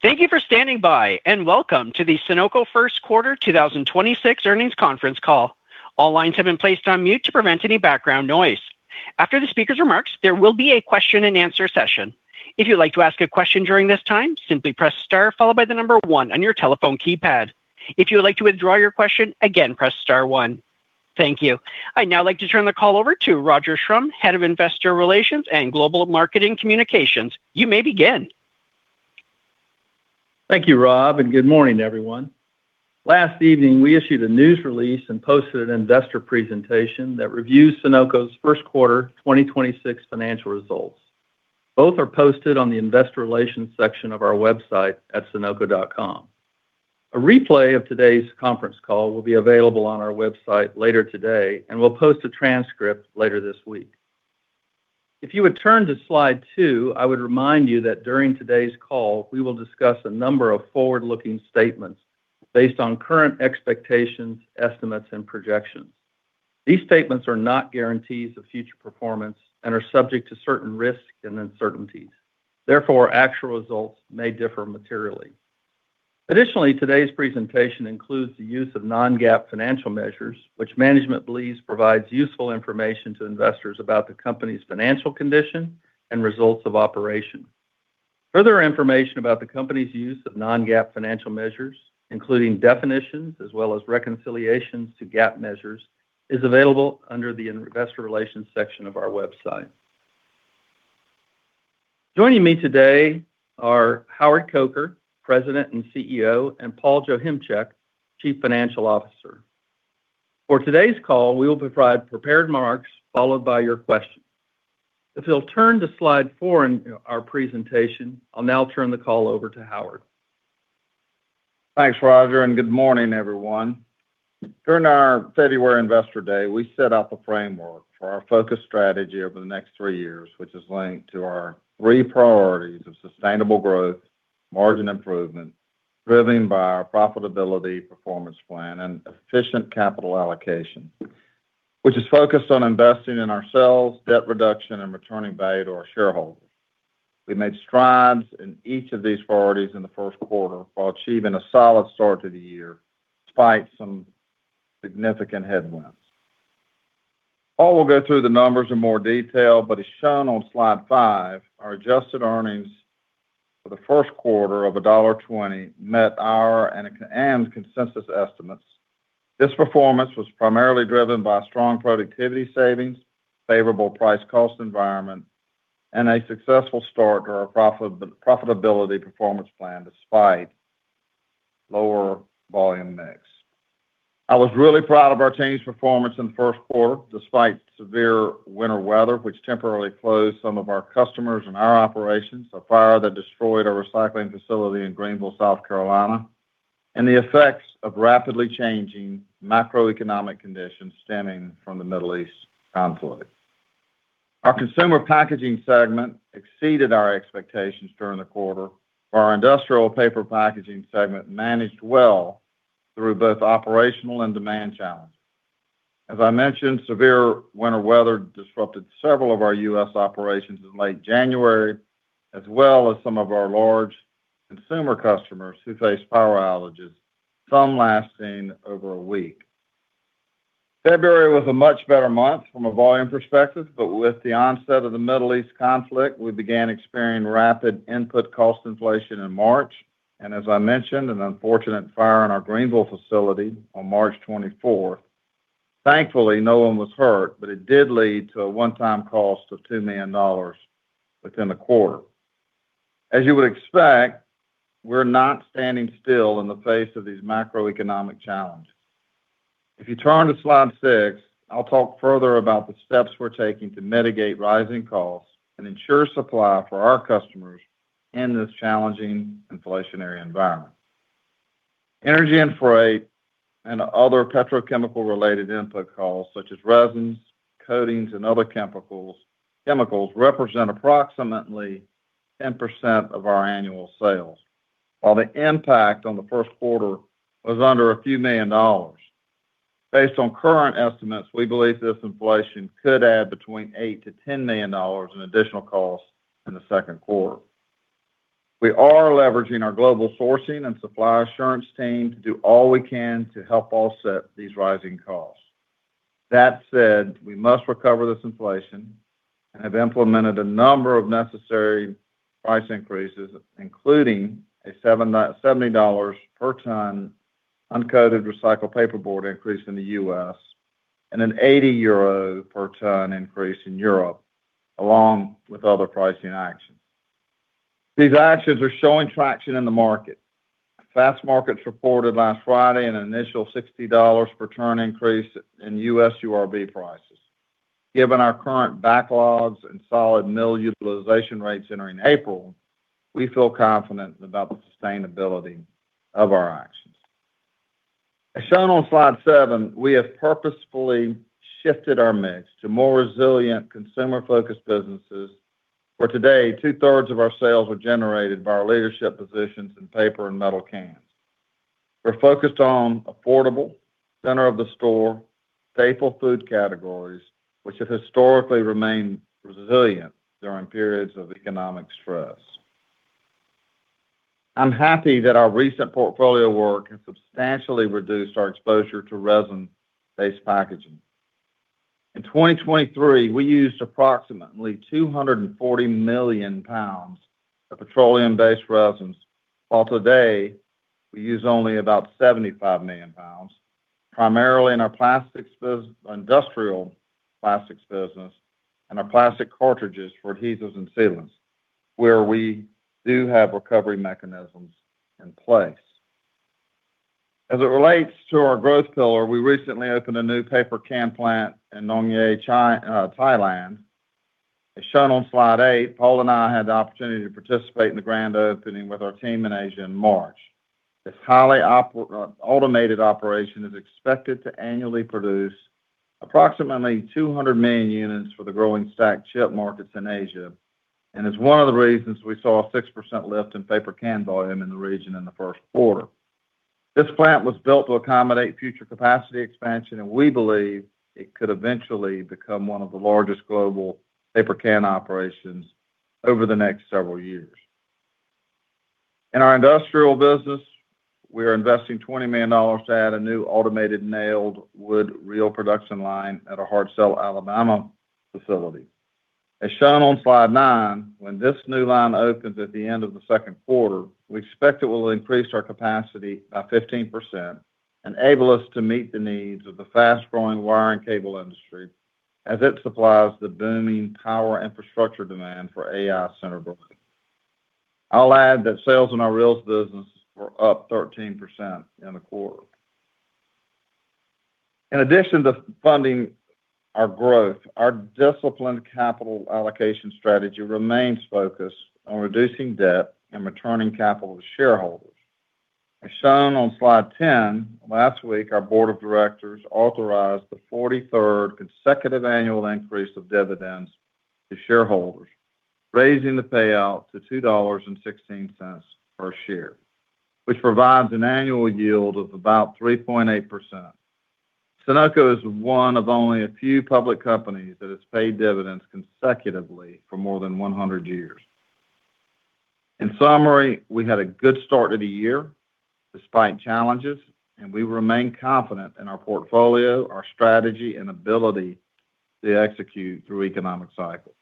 Thank you for standing by, and welcome to the Sonoco first quarter 2026 earnings conference call. All lines have been placed on mute to prevent any background noise. After the speaker's remarks, there will be a question and answer session. If you'd like to ask a question during this time, simply press star followed by the number one on your telephone keypad. If you would like to withdraw your question, again, press star one. Thank you. I'd now like to turn the call over to Roger Schrum, Head of Investor Relations and Global Marketing Communications. You may begin. Thank you, Rob, and good morning, everyone. Last evening, we issued a news release and posted an investor presentation that reviews Sonoco's first quarter 2026 financial results. Both are posted on the investor relations section of our website at sonoco.com. A replay of today's conference call will be available on our website later today, and we'll post a transcript later this week. If you would turn to Slide 2, I would remind you that during today's call, we will discuss a number of forward-looking statements based on current expectations, estimates, and projections. These statements are not guarantees of future performance and are subject to certain risks and uncertainties. Therefore, actual results may differ materially. Additionally, today's presentation includes the use of non-GAAP financial measures, which management believes provides useful information to investors about the company's financial condition and results of operations. Further information about the company's use of non-GAAP financial measures, including definitions as well as reconciliations to GAAP measures, is available under the investor relations section of our website. Joining me today are Howard Coker, President and CEO, and Paul Joachimczyk, Chief Financial Officer. For today's call, we will provide prepared remarks followed by your questions. If you'll turn to Slide 4 in our presentation, I'll now turn the call over to Howard. Thanks, Roger, and good morning, everyone. During our February Investor Day, we set out the framework for our focus strategy over the next three years, which is linked to our three priorities of sustainable growth, margin improvement, driven by our Profitability Performance Plan and efficient capital allocation, which is focused on investing in ourselves, debt reduction, and returning value to our shareholders. We made strides in each of these priorities in the first quarter while achieving a solid start to the year despite some significant headwinds. Paul will go through the numbers in more detail, but as shown on Slide 5, our adjusted earnings for the first quarter of $1.20 met our and consensus estimates. This performance was primarily driven by strong productivity savings, favorable price cost environment, and a successful start to our Profitability Performance Plan despite lower volume mix. I was really proud of our team's performance in the first quarter, despite severe winter weather, which temporarily closed some of our customers and our operations, a fire that destroyed our recycling facility in Greenville, South Carolina, and the effects of rapidly changing macroeconomic conditions stemming from the Middle East conflict. Our Consumer Packaging segment exceeded our expectations during the quarter. Our Industrial Paper Packaging segment managed well through both operational and demand challenges. As I mentioned, severe winter weather disrupted several of our U.S. operations in late January, as well as some of our large consumer customers who faced power outages, some lasting over a week. February was a much better month from a volume perspective, but with the onset of the Middle East conflict, we began experiencing rapid input cost inflation in March, and as I mentioned, an unfortunate fire in our Greenville facility on March 24th. Thankfully, no one was hurt, but it did lead to a one-time cost of $2 million within the quarter. As you would expect, we're not standing still in the face of these macroeconomic challenges. If you turn to Slide 6, I'll talk further about the steps we're taking to mitigate rising costs and ensure supply for our customers in this challenging inflationary environment. Energy and freight and other petrochemical-related input costs, such as resins, coatings, and other chemicals, represent approximately 10% of our annual sales, while the impact on the first quarter was under a few million dollars. Based on current estimates, we believe this inflation could add between $8 million-$10 million in additional costs in the second quarter. We are leveraging our global sourcing and supply assurance team to do all we can to help offset these rising costs. That said, we must recover this inflation and have implemented a number of necessary price increases, including a $70 per ton uncoated recycled paperboard increase in the U.S. and an 80 euro per ton increase in Europe, along with other pricing actions. These actions are showing traction in the market. Fastmarkets reported last Friday an initial $60 per ton increase in U.S. URB prices. Given our current backlogs and solid mill utilization rates entering April, we feel confident about the sustainability of our actions. As shown on Slide 7, we have purposefully shifted our mix to more resilient consumer-focused businesses, where today two-thirds of our sales are generated by our leadership positions in paper and metal cans. We're focused on affordable, center-of-the-store, staple food categories, which have historically remained resilient during periods of economic stress. I'm happy that our recent portfolio work has substantially reduced our exposure to resin-based packaging. In 2023, we used approximately 240 million pounds of petroleum-based resins, while today, we use only about 75 million pounds, primarily in our industrial plastics business and our plastic cartridges for adhesives and sealants, where we do have recovery mechanisms in place. As it relates to our growth pillar, we recently opened a new paper can plant in Nong Yai, Thailand. As shown on Slide 8, Paul and I had the opportunity to participate in the grand opening with our team in Asia in March. This highly automated operation is expected to annually produce approximately 200 million units for the growing stacked chip markets in Asia, and is one of the reasons we saw a 6% lift in paper can volume in the region in the first quarter. This plant was built to accommodate future capacity expansion, and we believe it could eventually become one of the largest global paper can operations over the next several years. In our industrial business, we are investing $20 million to add a new automated nailed wood reel production line at our Hartselle, Alabama facility. As shown on Slide 9, when this new line opens at the end of the second quarter, we expect it will increase our capacity by 15%, enable us to meet the needs of the fast-growing wire and cable industry, as it supplies the booming power infrastructure demand for AI center growth. I'll add that sales in our reels business were up 13% in the quarter. In addition to funding our growth, our disciplined capital allocation strategy remains focused on reducing debt and returning capital to shareholders. As shown on Slide 10, last week, our board of directors authorized the 43rd consecutive annual increase of dividends to shareholders, raising the payout to $2.16 per share, which provides an annual yield of about 3.8%. Sonoco is one of only a few public companies that has paid dividends consecutively for more than 100 years. In summary, we had a good start to the year despite challenges, and we remain confident in our portfolio, our strategy, and ability to execute through economic cycles.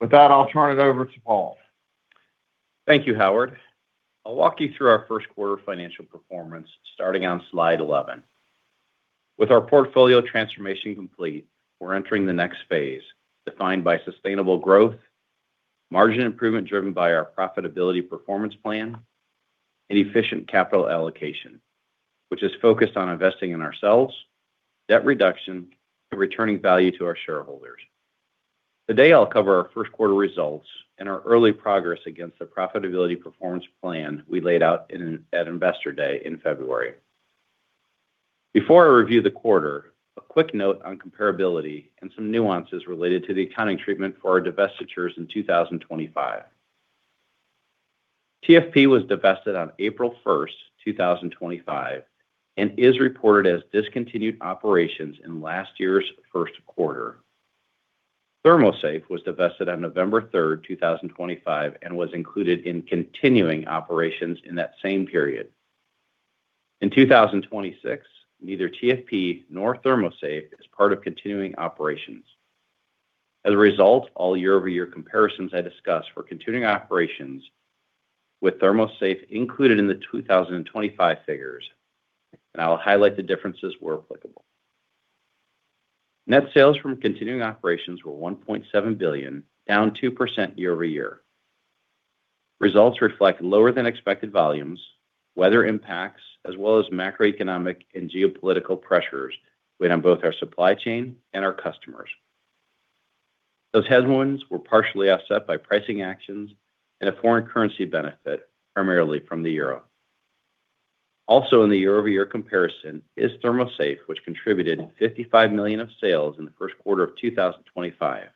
With that, I'll turn it over to Paul. Thank you, Howard. I'll walk you through our first quarter financial performance starting on Slide 11. With our portfolio transformation complete, we're entering the next phase defined by sustainable growth, margin improvement driven by our Profitability Performance Plan, and efficient capital allocation, which is focused on investing in ourselves, debt reduction, and returning value to our shareholders. Today, I'll cover our first quarter results and our early progress against the Profitability Performance Plan we laid out at Investor Day in February. Before I review the quarter, a quick note on comparability and some nuances related to the accounting treatment for our divestitures in 2025. TFP was divested on April 1st, 2025, and is reported as discontinued operations in last year's first quarter. ThermoSafe was divested on November 3rd, 2025, and was included in continuing operations in that same period. In 2026, neither TFP nor ThermoSafe is part of continuing operations. As a result, all year-over-year comparisons I discuss for continuing operations with ThermoSafe included in the 2025 figures, and I'll highlight the differences where applicable. Net sales from continuing operations were $1.7 billion, down 2% year over year. Results reflect lower than expected volumes, weather impacts, as well as macroeconomic and geopolitical pressures weighed on both our supply chain and our customers. Those headwinds were partially offset by pricing actions and a foreign currency benefit, primarily from the euro. Also in the year-over-year comparison is ThermoSafe, which contributed $55 million of sales in the first quarter of 2025.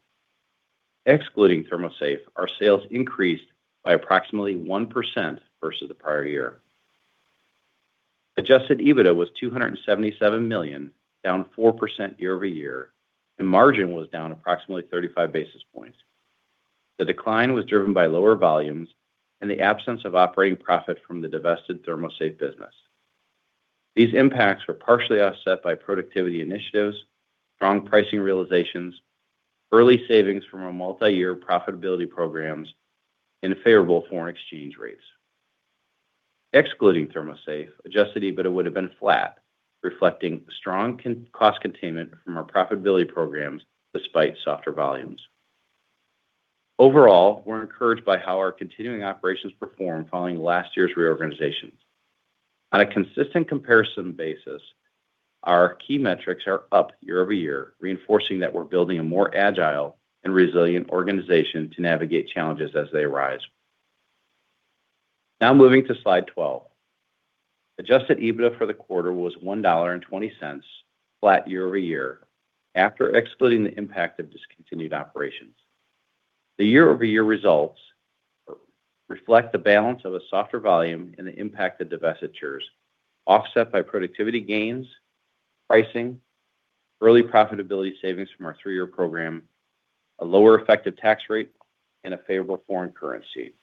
Excluding ThermoSafe, our sales increased by approximately 1% versus the prior year. Adjusted EBITDA was $277 million, down 4% year over year, and margin was down approximately 35 basis points. The decline was driven by lower volumes and the absence of operating profit from the divested ThermoSafe business. These impacts were partially offset by productivity initiatives, strong pricing realizations, early savings from our multiyear profitability programs, and favorable foreign exchange rates. Excluding ThermoSafe, Adjusted EBITDA would have been flat, reflecting strong cost containment from our profitability programs despite softer volumes. Overall, we're encouraged by how our continuing operations performed following last year's reorganization. On a consistent comparison basis, our key metrics are up year-over-year, reinforcing that we're building a more agile and resilient organization to navigate challenges as they arise. Now moving to Slide 12. Adjusted EBITDA for the quarter was $1.20, flat year-over-year. After excluding the impact of discontinued operations. The year-over-year results reflect the balance of a softer volume and the impact of divestitures offset by productivity gains, pricing, early profitability savings from our three-year program, a lower effective tax rate, and a favorable foreign currency.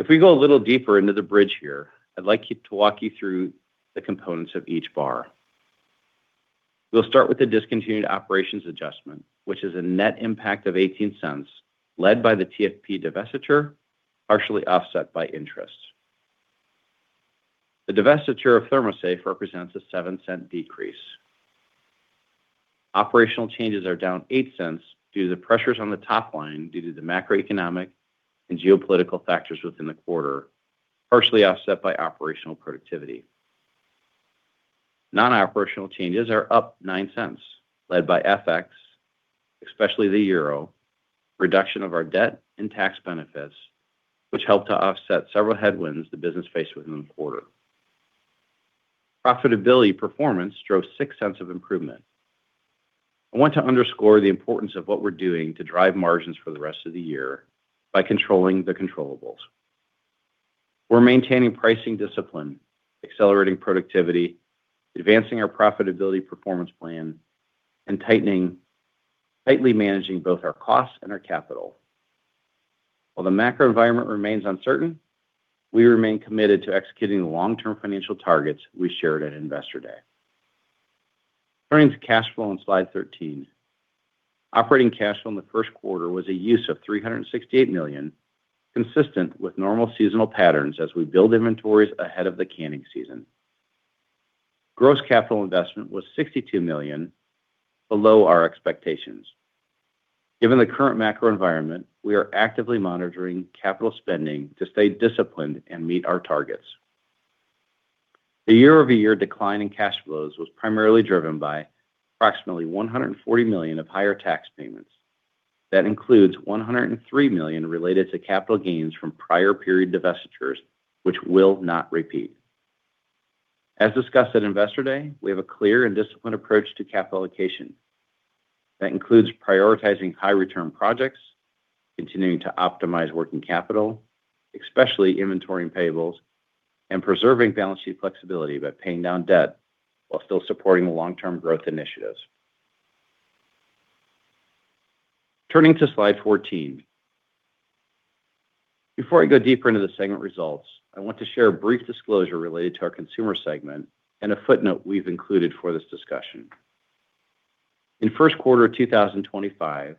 If we go a little deeper into the bridge here, I'd like to walk you through the components of each bar. We'll start with the discontinued operations adjustment, which is a net impact of $0.18, led by the TFP divestiture, partially offset by interest. The divestiture of ThermoSafe represents a $0.07 decrease. Operational changes are down $0.08 due to the pressures on the top line due to the macroeconomic and geopolitical factors within the quarter, partially offset by operational productivity. Non-operational changes are up $0.09, led by FX, especially the euro, reduction of our debt, and tax benefits, which helped to offset several headwinds the business faced within the quarter. Profitability Performance drove $0.06 of improvement. I want to underscore the importance of what we're doing to drive margins for the rest of the year by controlling the controllables. We're maintaining pricing discipline, accelerating productivity, advancing our Profitability Performance Plan, and tightly managing both our costs and our capital. While the macro environment remains uncertain, we remain committed to executing the long-term financial targets we shared at Investor Day. Turning to cash flow on Slide 13. Operating cash flow in the first quarter was a use of $368 million, consistent with normal seasonal patterns as we build inventories ahead of the canning season. Gross capital investment was $62 million, below our expectations. Given the current macro environment, we are actively monitoring capital spending to stay disciplined and meet our targets. The year-over-year decline in cash flows was primarily driven by approximately $140 million of higher tax payments. That includes $103 million related to capital gains from prior period divestitures, which will not repeat. As discussed at Investor Day, we have a clear and disciplined approach to capital allocation that includes prioritizing high return projects, continuing to optimize working capital, especially inventory and payables, and preserving balance sheet flexibility by paying down debt while still supporting the long-term growth initiatives. Turning to Slide 14. Before I go deeper into the segment results, I want to share a brief disclosure related to our Consumer segment and a footnote we've included for this discussion. In first quarter of 2025,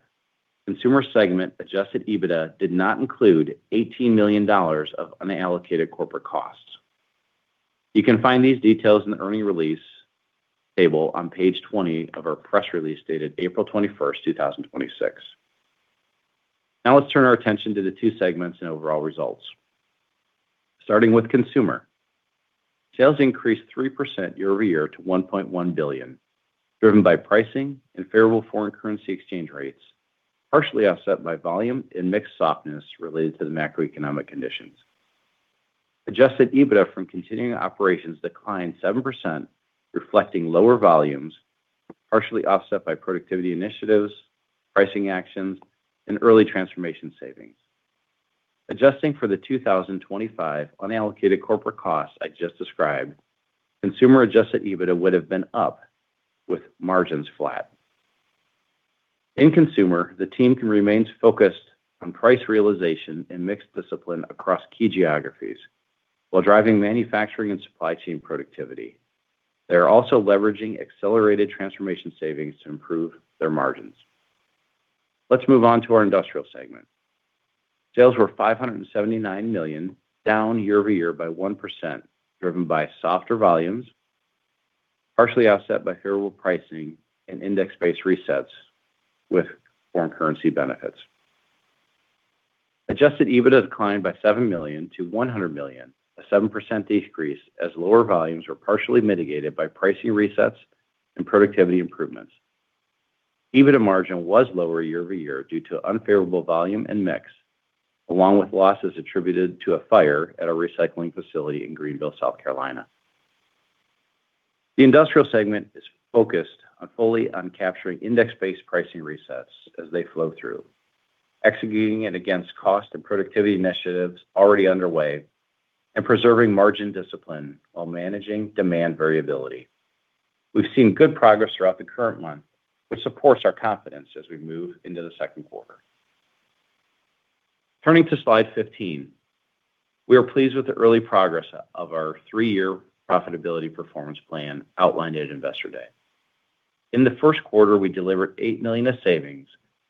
Consumer segment Adjusted EBITDA did not include $18 million of unallocated corporate costs. You can find these details in the earnings release table on page 20 of our press release dated April 21st, 2026. Now let's turn our attention to the two segments and overall results. Starting with Consumer. Sales increased 3% year-over-year to $1.1 billion, driven by pricing and favorable foreign currency exchange rates, partially offset by volume and mix softness related to the macroeconomic conditions. Adjusted EBITDA from continuing operations declined 7%, reflecting lower volumes, partially offset by productivity initiatives, pricing actions, and early transformation savings. Adjusting for the 2025 unallocated corporate costs I just described, Consumer Adjusted EBITDA would've been up with margins flat. In Consumer, the team remains focused on price realization and mix discipline across key geographies while driving manufacturing and supply chain productivity. They are also leveraging accelerated transformation savings to improve their margins. Let's move on to our Industrial segment. Sales were $579 million, down year-over-year by 1%, driven by softer volumes, partially offset by favorable pricing and index-based resets with foreign currency benefits. Adjusted EBITDA declined by $7 million to $100 million, a 7% decrease as lower volumes were partially mitigated by pricing resets and productivity improvements. EBITDA margin was lower year-over-year due to unfavorable volume and mix, along with losses attributed to a fire at a recycling facility in Greenville, South Carolina. The industrial segment is focused fully on capturing index-based pricing resets as they flow through, executing against cost and productivity initiatives already underway, and preserving margin discipline while managing demand variability. We've seen good progress throughout the current month, which supports our confidence as we move into the second quarter. Turning to Slide 15. We are pleased with the early progress of our three-year Profitability Performance Plan outlined at Investor Day. In the first quarter, we delivered $8 million of savings,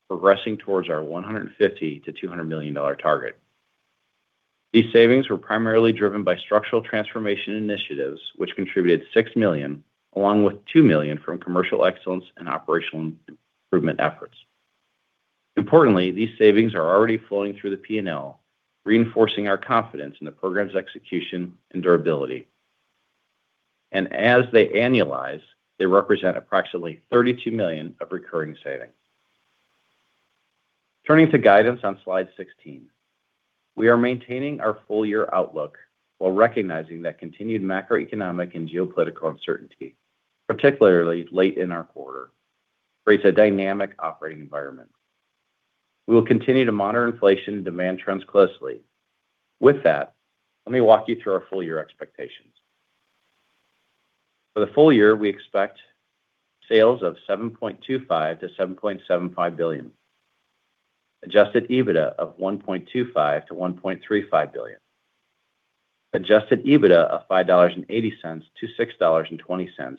progressing towards our $150 million-$200 million target. These savings were primarily driven by structural transformation initiatives, which contributed $6 million along with $2 million from commercial excellence and operational improvement efforts. Importantly, these savings are already flowing through the P&L, reinforcing our confidence in the program's execution and durability. As they annualize, they represent approximately $32 million of recurring savings. Turning to guidance on Slide 16. We are maintaining our full year outlook while recognizing that continued macroeconomic and geopolitical uncertainty, particularly late in our quarter, creates a dynamic operating environment. We will continue to monitor inflation and demand trends closely. With that, let me walk you through our full year expectations. For the full year, we expect sales of $7.25 billion-$7.75 billion, Adjusted EBITDA of $1.25 billion-$1.35 billion, Adjusted EBITDA of $5.80-$6.20,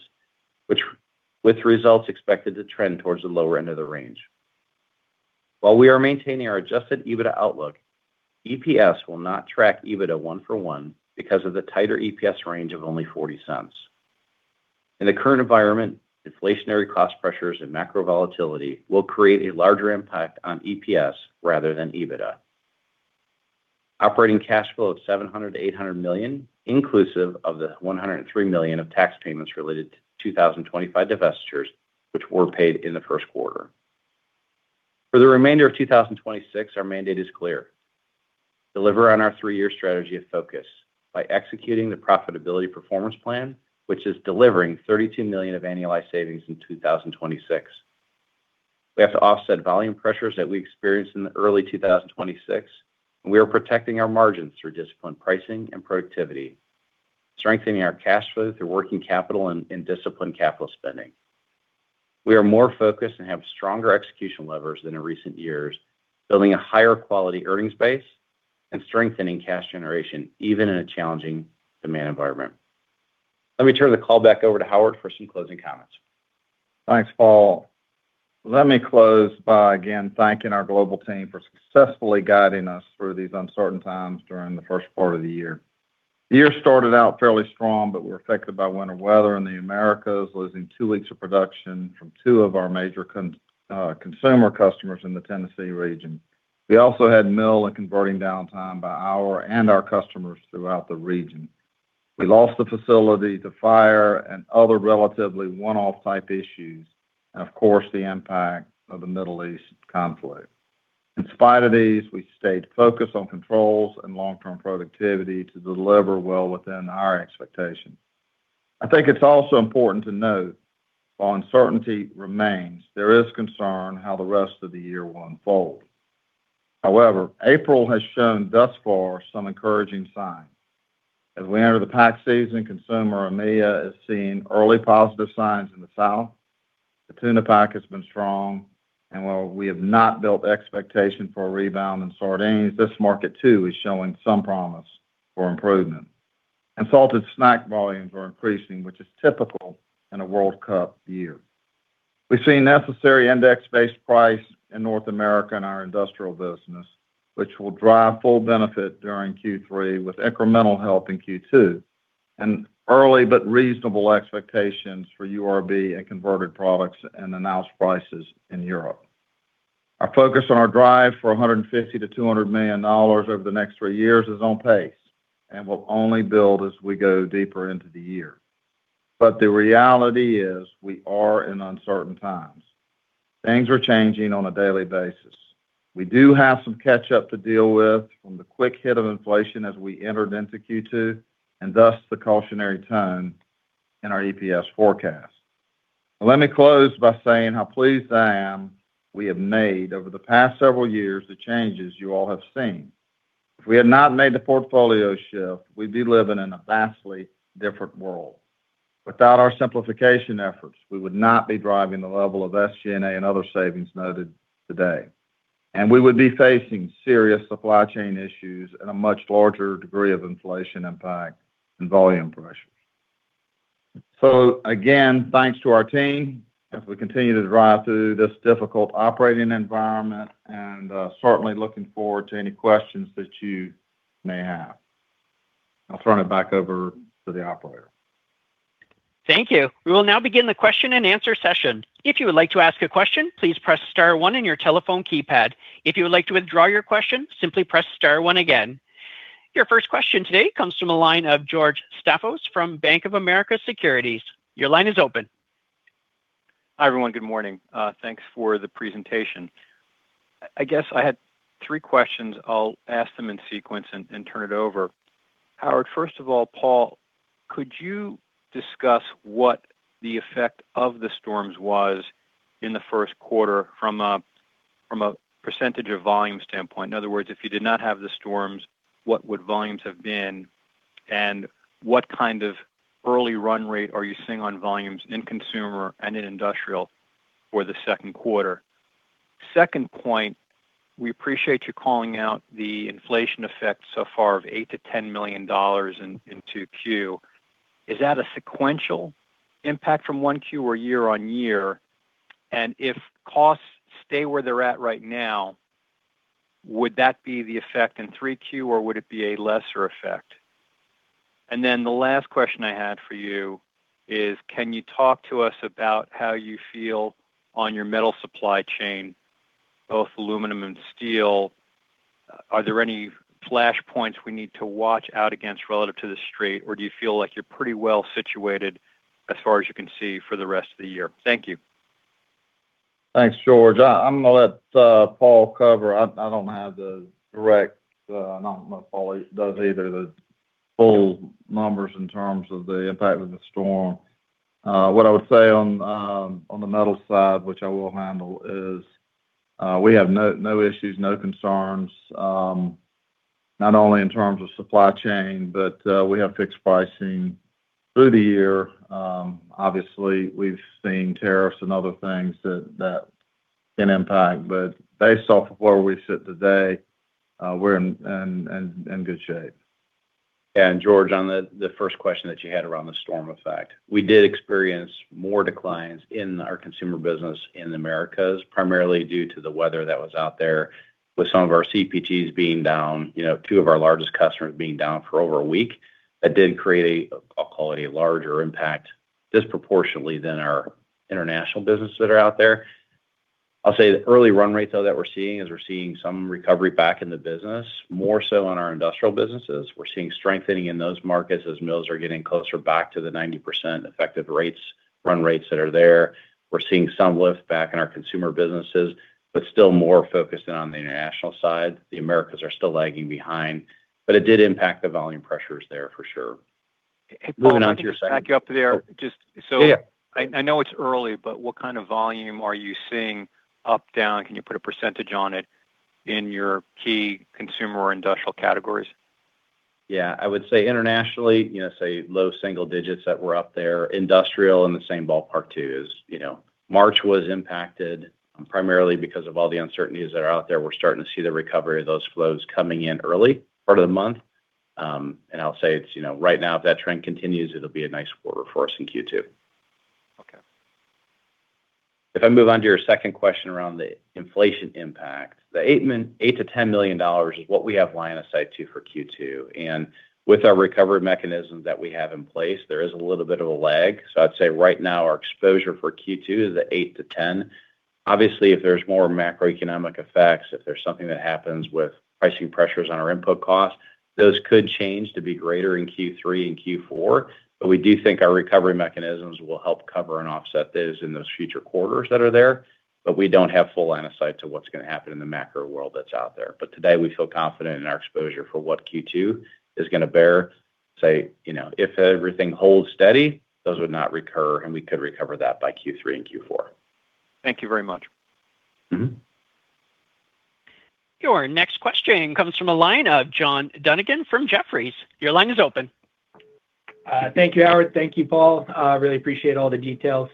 with results expected to trend towards the lower end of the range. While we are maintaining our Adjusted EBITDA outlook, EPS will not track EBITDA one for one because of the tighter EPS range of only $0.40. In the current environment, inflationary cost pressures and macro volatility will create a larger impact on EPS rather than EBITDA. Operating cash flow of $700-$800 million, inclusive of the $103 million of tax payments related to 2025 divestitures, which were paid in the first quarter. For the remainder of 2026, our mandate is clear. Deliver on our three-year strategy of focus by executing the Profitability Performance Plan, which is delivering $32 million of annualized savings in 2026. We have to offset volume pressures that we experienced in early 2026, and we are protecting our margins through disciplined pricing and productivity, strengthening our cash flow through working capital and disciplined capital spending. We are more focused and have stronger execution levers than in recent years, building a higher quality earnings base and strengthening cash generation, even in a challenging demand environment. Let me turn the call back over to Howard for some closing comments. Thanks, Paul. Let me close by, again, thanking our global team for successfully guiding us through these uncertain times during the first part of the year. The year started out fairly strong, but we were affected by winter weather in the Americas, losing two weeks of production from two of our major consumer customers in the Tennessee region. We also had mill and converting downtime at our mills and our customers throughout the region. We lost a facility to fire and other relatively one-off type issues, and of course, the impact of the Middle East conflict. In spite of these, we stayed focused on controls and long-term productivity to deliver well within our expectations. I think it's also important to note while uncertainty remains, there is concern how the rest of the year will unfold. However, April has shown thus far some encouraging signs. As we enter the pack season, consumer EMEA is seeing early positive signs in the south. The tuna pack has been strong, and while we have not built expectation for a rebound in sardines, this market too is showing some promise for improvement. Salted snack volumes are increasing, which is typical in a World Cup year. We've seen necessary index-based price in North America in our industrial business, which will drive full benefit during Q3 with incremental help in Q2, and early but reasonable expectations for URB and converted products and announced prices in Europe. Our focus on our drive for $150 million-$200 million over the next three years is on pace and will only build as we go deeper into the year. The reality is we are in uncertain times. Things are changing on a daily basis. We do have some catch up to deal with from the quick hit of inflation as we entered into Q2, and thus the cautionary tone in our EPS forecast. Let me close by saying how pleased I am we have made, over the past several years, the changes you all have seen. If we had not made the portfolio shift, we'd be living in a vastly different world. Without our simplification efforts, we would not be driving the level of SG&A and other savings noted today. We would be facing serious supply chain issues and a much larger degree of inflation impact and volume pressures. Again, thanks to our team as we continue to drive through this difficult operating environment, and certainly looking forward to any questions that you may have. I'll turn it back over to the operator. Thank you. We will now begin the question and answer session. If you would like to ask a question, please press star one on your telephone keypad. If you would like to withdraw your question, simply press star one again. Your first question today comes from the line of George Staphos from Bank of America Securities. Your line is open. Hi, everyone. Good morning. Thanks for the presentation. I guess I had three questions. I'll ask them in sequence and turn it over. Howard, first of all, Paul, could you discuss what the effect of the storms was in the first quarter from a percentage of volume standpoint? In other words, if you did not have the storms, what would volumes have been? And what kind of early run rate are you seeing on volumes in consumer and in industrial for the second quarter? Second point, we appreciate you calling out the inflation effect so far of $8-$10 million in 2Q. Is that a sequential impact from 1Q or year-on-year? And if costs stay where they're at right now, would that be the effect in 3Q or would it be a lesser effect? The last question I had for you is can you talk to us about how you feel on your metal supply chain, both aluminum and steel? Are there any flashpoints we need to watch out against relative to the street or do you feel like you're pretty well situated as far as you can see for the rest of the year? Thank you. Thanks, George. I'm going to let Paul cover. I don't have the direct, and I don't know if Paul does either, the full numbers in terms of the impact of the storm. What I would say on the metal side, which I will handle, is we have no issues, no concerns, not only in terms of supply chain, but we have fixed pricing through the year. Obviously, we've seen tariffs and other things that can impact, but based off of where we sit today, we're in good shape. George, on the first question that you had around the storm effect, we did experience more declines in our consumer business in the Americas, primarily due to the weather that was out there with some of our CPGs being down, two of our largest customers being down for over a week. That did create, I'll call it, a larger impact disproportionately than our international businesses that are out there. I'll say the early run rates, though, that we're seeing is we're seeing some recovery back in the business, more so in our industrial businesses. We're seeing strengthening in those markets as mills are getting closer back to the 90% effective rates, run rates that are there. We're seeing some lift back in our consumer businesses, but still more focused in on the international side. The Americas are still lagging behind. It did impact the volume pressures there for sure. Moving on to your second Hey, Paul, let me just back you up there. Oh, yeah. Just so I know it's early, but what kind of volume are you seeing up/down? Can you put a percentage on it in your key consumer or industrial categories? Yeah, I would say internationally, say low single digits that were up there. Industrial in the same ballpark, too. As you know, March was impacted primarily because of all the uncertainties that are out there. We're starting to see the recovery of those flows coming in early part of the month. I'll say it's right now, if that trend continues, it'll be a nice quarter for us in Q2. Okay. If I move on to your second question around the inflation impact, the $8 million-$10 million is what we have line of sight to for Q2. With our recovery mechanisms that we have in place, there is a little bit of a lag. I'd say right now our exposure for Q2 is the $8 million-$10 million. Obviously, if there's more macroeconomic effects, if there's something that happens with pricing pressures on our input costs, those could change to be greater in Q3 and Q4. We do think our recovery mechanisms will help cover and offset those in those future quarters that are there, we don't have full line of sight to what's going to happen in the macro world that's out there. Today we feel confident in our exposure for what Q2 is going to bear. Say, if everything holds steady, those would not recur, and we could recover that by Q3 and Q4. Thank you very much. Mm-hmm. Your next question comes from the line of John Dunigan from Jefferies. Your line is open. Thank you, Howard. Thank you, Paul. Really appreciate all the details.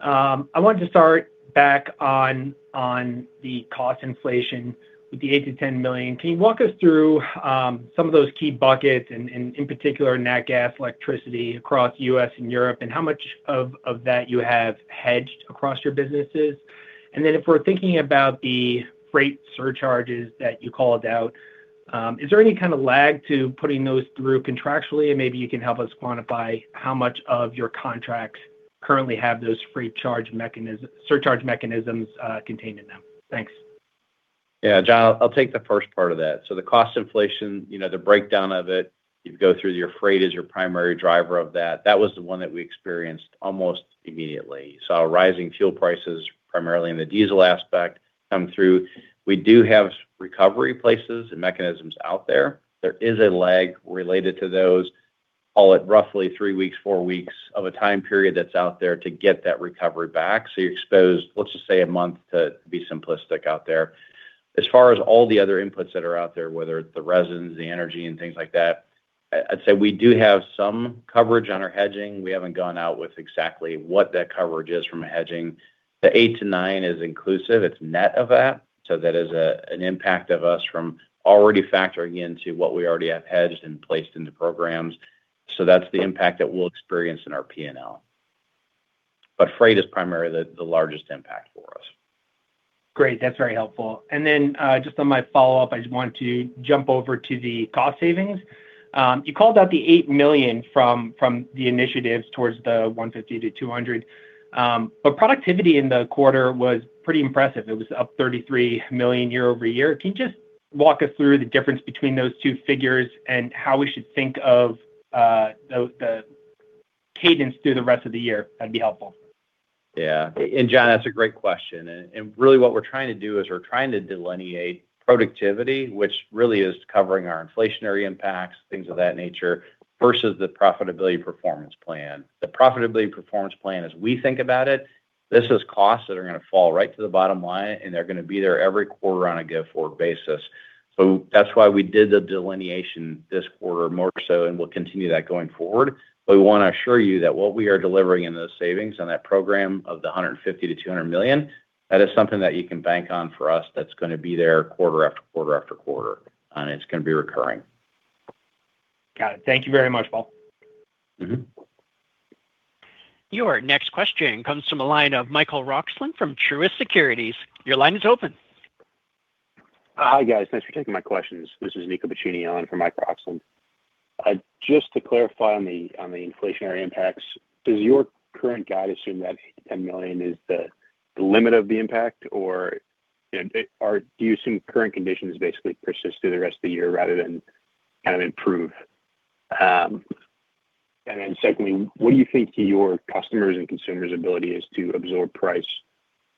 I wanted to start back on the cost inflation with the $8 million-$10 million. Can you walk us through some of those key buckets and, in particular, nat gas, electricity across U.S. and Europe, and how much of that you have hedged across your businesses? If we're thinking about the freight surcharges that you called out, is there any kind of lag to putting those through contractually? Maybe you can help us quantify how much of your contracts currently have those freight surcharge mechanisms contained in them. Thanks. Yeah, John, I'll take the first part of that. The cost inflation, the breakdown of it, you go through your freight as your primary driver of that. That was the one that we experienced almost immediately. You saw rising fuel prices, primarily in the diesel aspect, come through. We do have recovery places and mechanisms out there. There is a lag related to those, call it roughly three weeks, four weeks of a time period that's out there to get that recovery back. You're exposed, let's just say a month to be simplistic out there. As far as all the other inputs that are out there, whether it's the resins, the energy and things like that, I'd say we do have some coverage on our hedging. We haven't gone out with exactly what that coverage is from a hedging. The eight to nine is inclusive. It's net of that. That is an impact of us from already factoring into what we already have hedged and placed into programs. That's the impact that we'll experience in our P&L. Freight is primarily the largest impact for us. Great. That's very helpful. Just on my follow-up, I just wanted to jump over to the cost savings. You called out the $8 million from the initiatives towards the $150-$200, but productivity in the quarter was pretty impressive. It was up $33 million year-over-year. Can you just walk us through the difference between those two figures and how we should think of the cadence through the rest of the year? That'd be helpful. Yeah. John, that's a great question. Really what we're trying to do is we're trying to delineate productivity, which really is covering our inflationary impacts, things of that nature versus the Profitability Performance Plan. The Profitability Performance Plan, as we think about it, this is costs that are going to fall right to the bottom line, and they're going to be there every quarter on a go-forward basis. That's why we did the delineation this quarter more so, and we'll continue that going forward. We want to assure you that what we are delivering in those savings and that program of the $150 million-$200 million, that is something that you can bank on for us that's going to be there quarter, after quarter, after quarter, and it's going to be recurring. Got it. Thank you very much, Paul. Mm-hmm. Your next question comes from a line of Michael Roxland from Truist Securities. Your line is open. Hi, guys. Thanks for taking my questions. This is Nico Buccioni on for Mike Roxland. Just to clarify on the inflationary impacts, does your current guide assume that $8-$10 million is the limit of the impact, or do you assume current conditions basically persist through the rest of the year rather than kind of improve? Secondly, what do you think of your customers' and consumers' ability is to absorb price?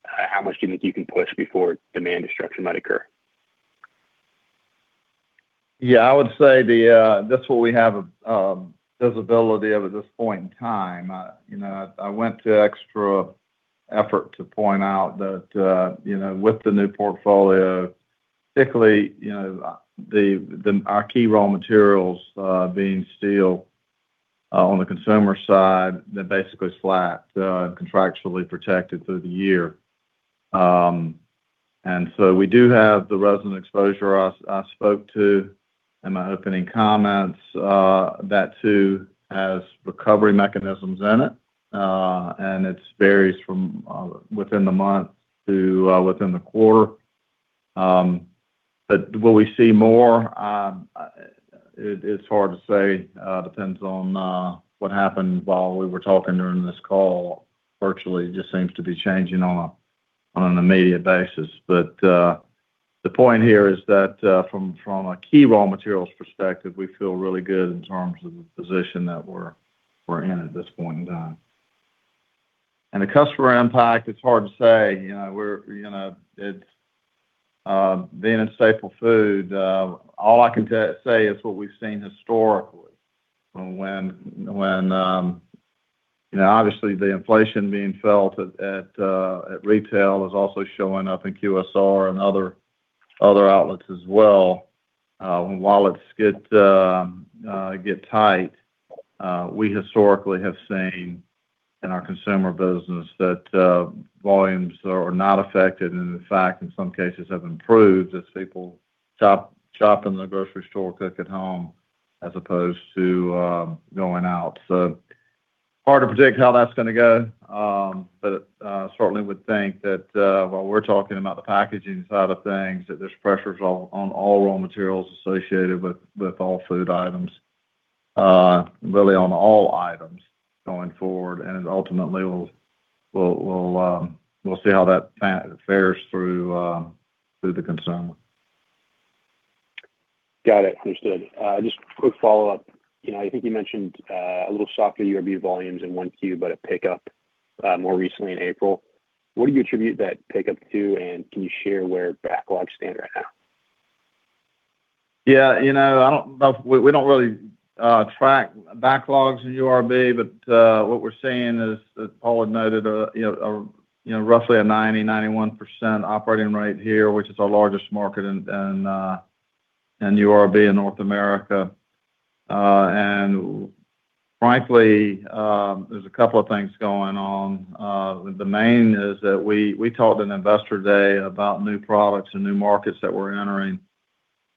How much do you think you can push before demand destruction might occur? Yeah, I would say that's what we have visibility of at this point in time. I went to extra effort to point out that with the new portfolio, particularly, our key raw materials being steel on the consumer side, they're basically flat, contractually protected through the year. We do have the resin exposure I spoke to in my opening comments. That too has recovery mechanisms in it, and it varies from within the month to within the quarter. Will we see more? It's hard to say. Depends on what happened while we were talking during this call. Virtually just seems to be changing on an immediate basis. The point here is that, from a key raw materials perspective, we feel really good in terms of the position that we're in at this point in time. The customer impact, it's hard to say. Being in staple food, all I can say is what we've seen historically. When, obviously the inflation being felt at retail is also showing up in QSR and other outlets as well. When wallets get tight, we historically have seen in our consumer business that volumes are not affected and in fact, in some cases, have improved as people shop in the grocery store, cook at home as opposed to going out. Hard to predict how that's going to go. Certainly would think that, while we're talking about the packaging side of things, that there's pressures on all raw materials associated with all food items. Really on all items going forward, and ultimately we'll see how that fares through the consumer. Got it. Understood. Just quick follow-up. I think you mentioned a little softer URB volumes in 1Q, but a pickup more recently in April. What do you attribute that pickup to, and can you share where backlogs stand right now? Yeah, we don't really track backlogs in URB, but what we're seeing is that Paul had noted roughly a 90%-91% operating rate here, which is our largest market in URB in North America. Frankly, there's a couple of things going on. The main is that we talked in Investor Day about new products and new markets that we're entering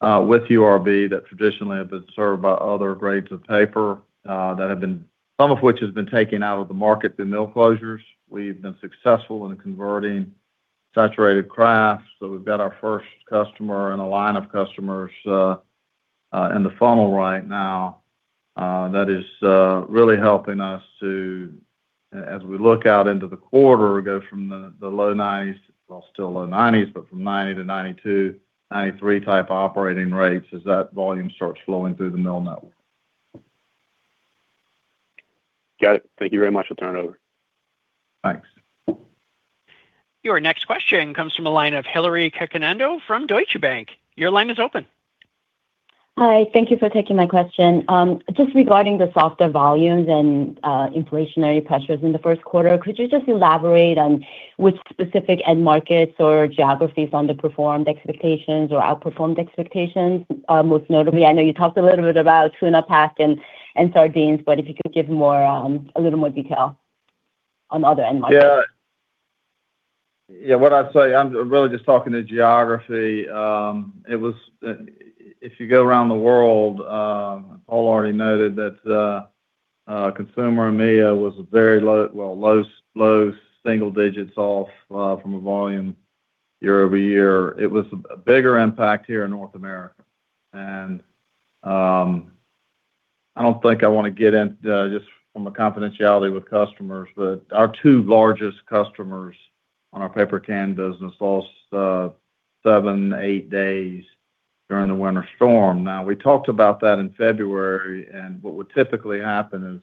with URB that traditionally have been served by other grades of paper, some of which has been taken out of the market, the mill closures. We've been successful in converting saturating kraft. We've got our first customer and a line of customers in the funnel right now. That is really helping us to, as we look out into the quarter, go from the low 90s, well, still low 90s, but from 90 to 92-93 type operating rates as that volume starts flowing through the mill network. Got it. Thank you very much. I'll turn it over. Thanks. Your next question comes from the line of Hillary Cacanando from Deutsche Bank. Your line is open. Hi. Thank you for taking my question. Just regarding the softer volumes and inflationary pressures in the first quarter, could you just elaborate on which specific end markets or geographies underperformed expectations or outperformed expectations? Most notably, I know you talked a little bit about tuna pack and sardines, but if you could give a little more detail on other end markets. Yeah. What I'd say, I'm really just talking the geography. If you go around the world, Paul already noted that consumer EMEA was a very low, well, low single digits off from a volume year over year. It was a bigger impact here in North America, and I don't think I want to get in, just from a confidentiality with customers, but our two largest customers on our paper can business lost seven, eight days during the winter storm. Now, we talked about that in February, and what would typically happen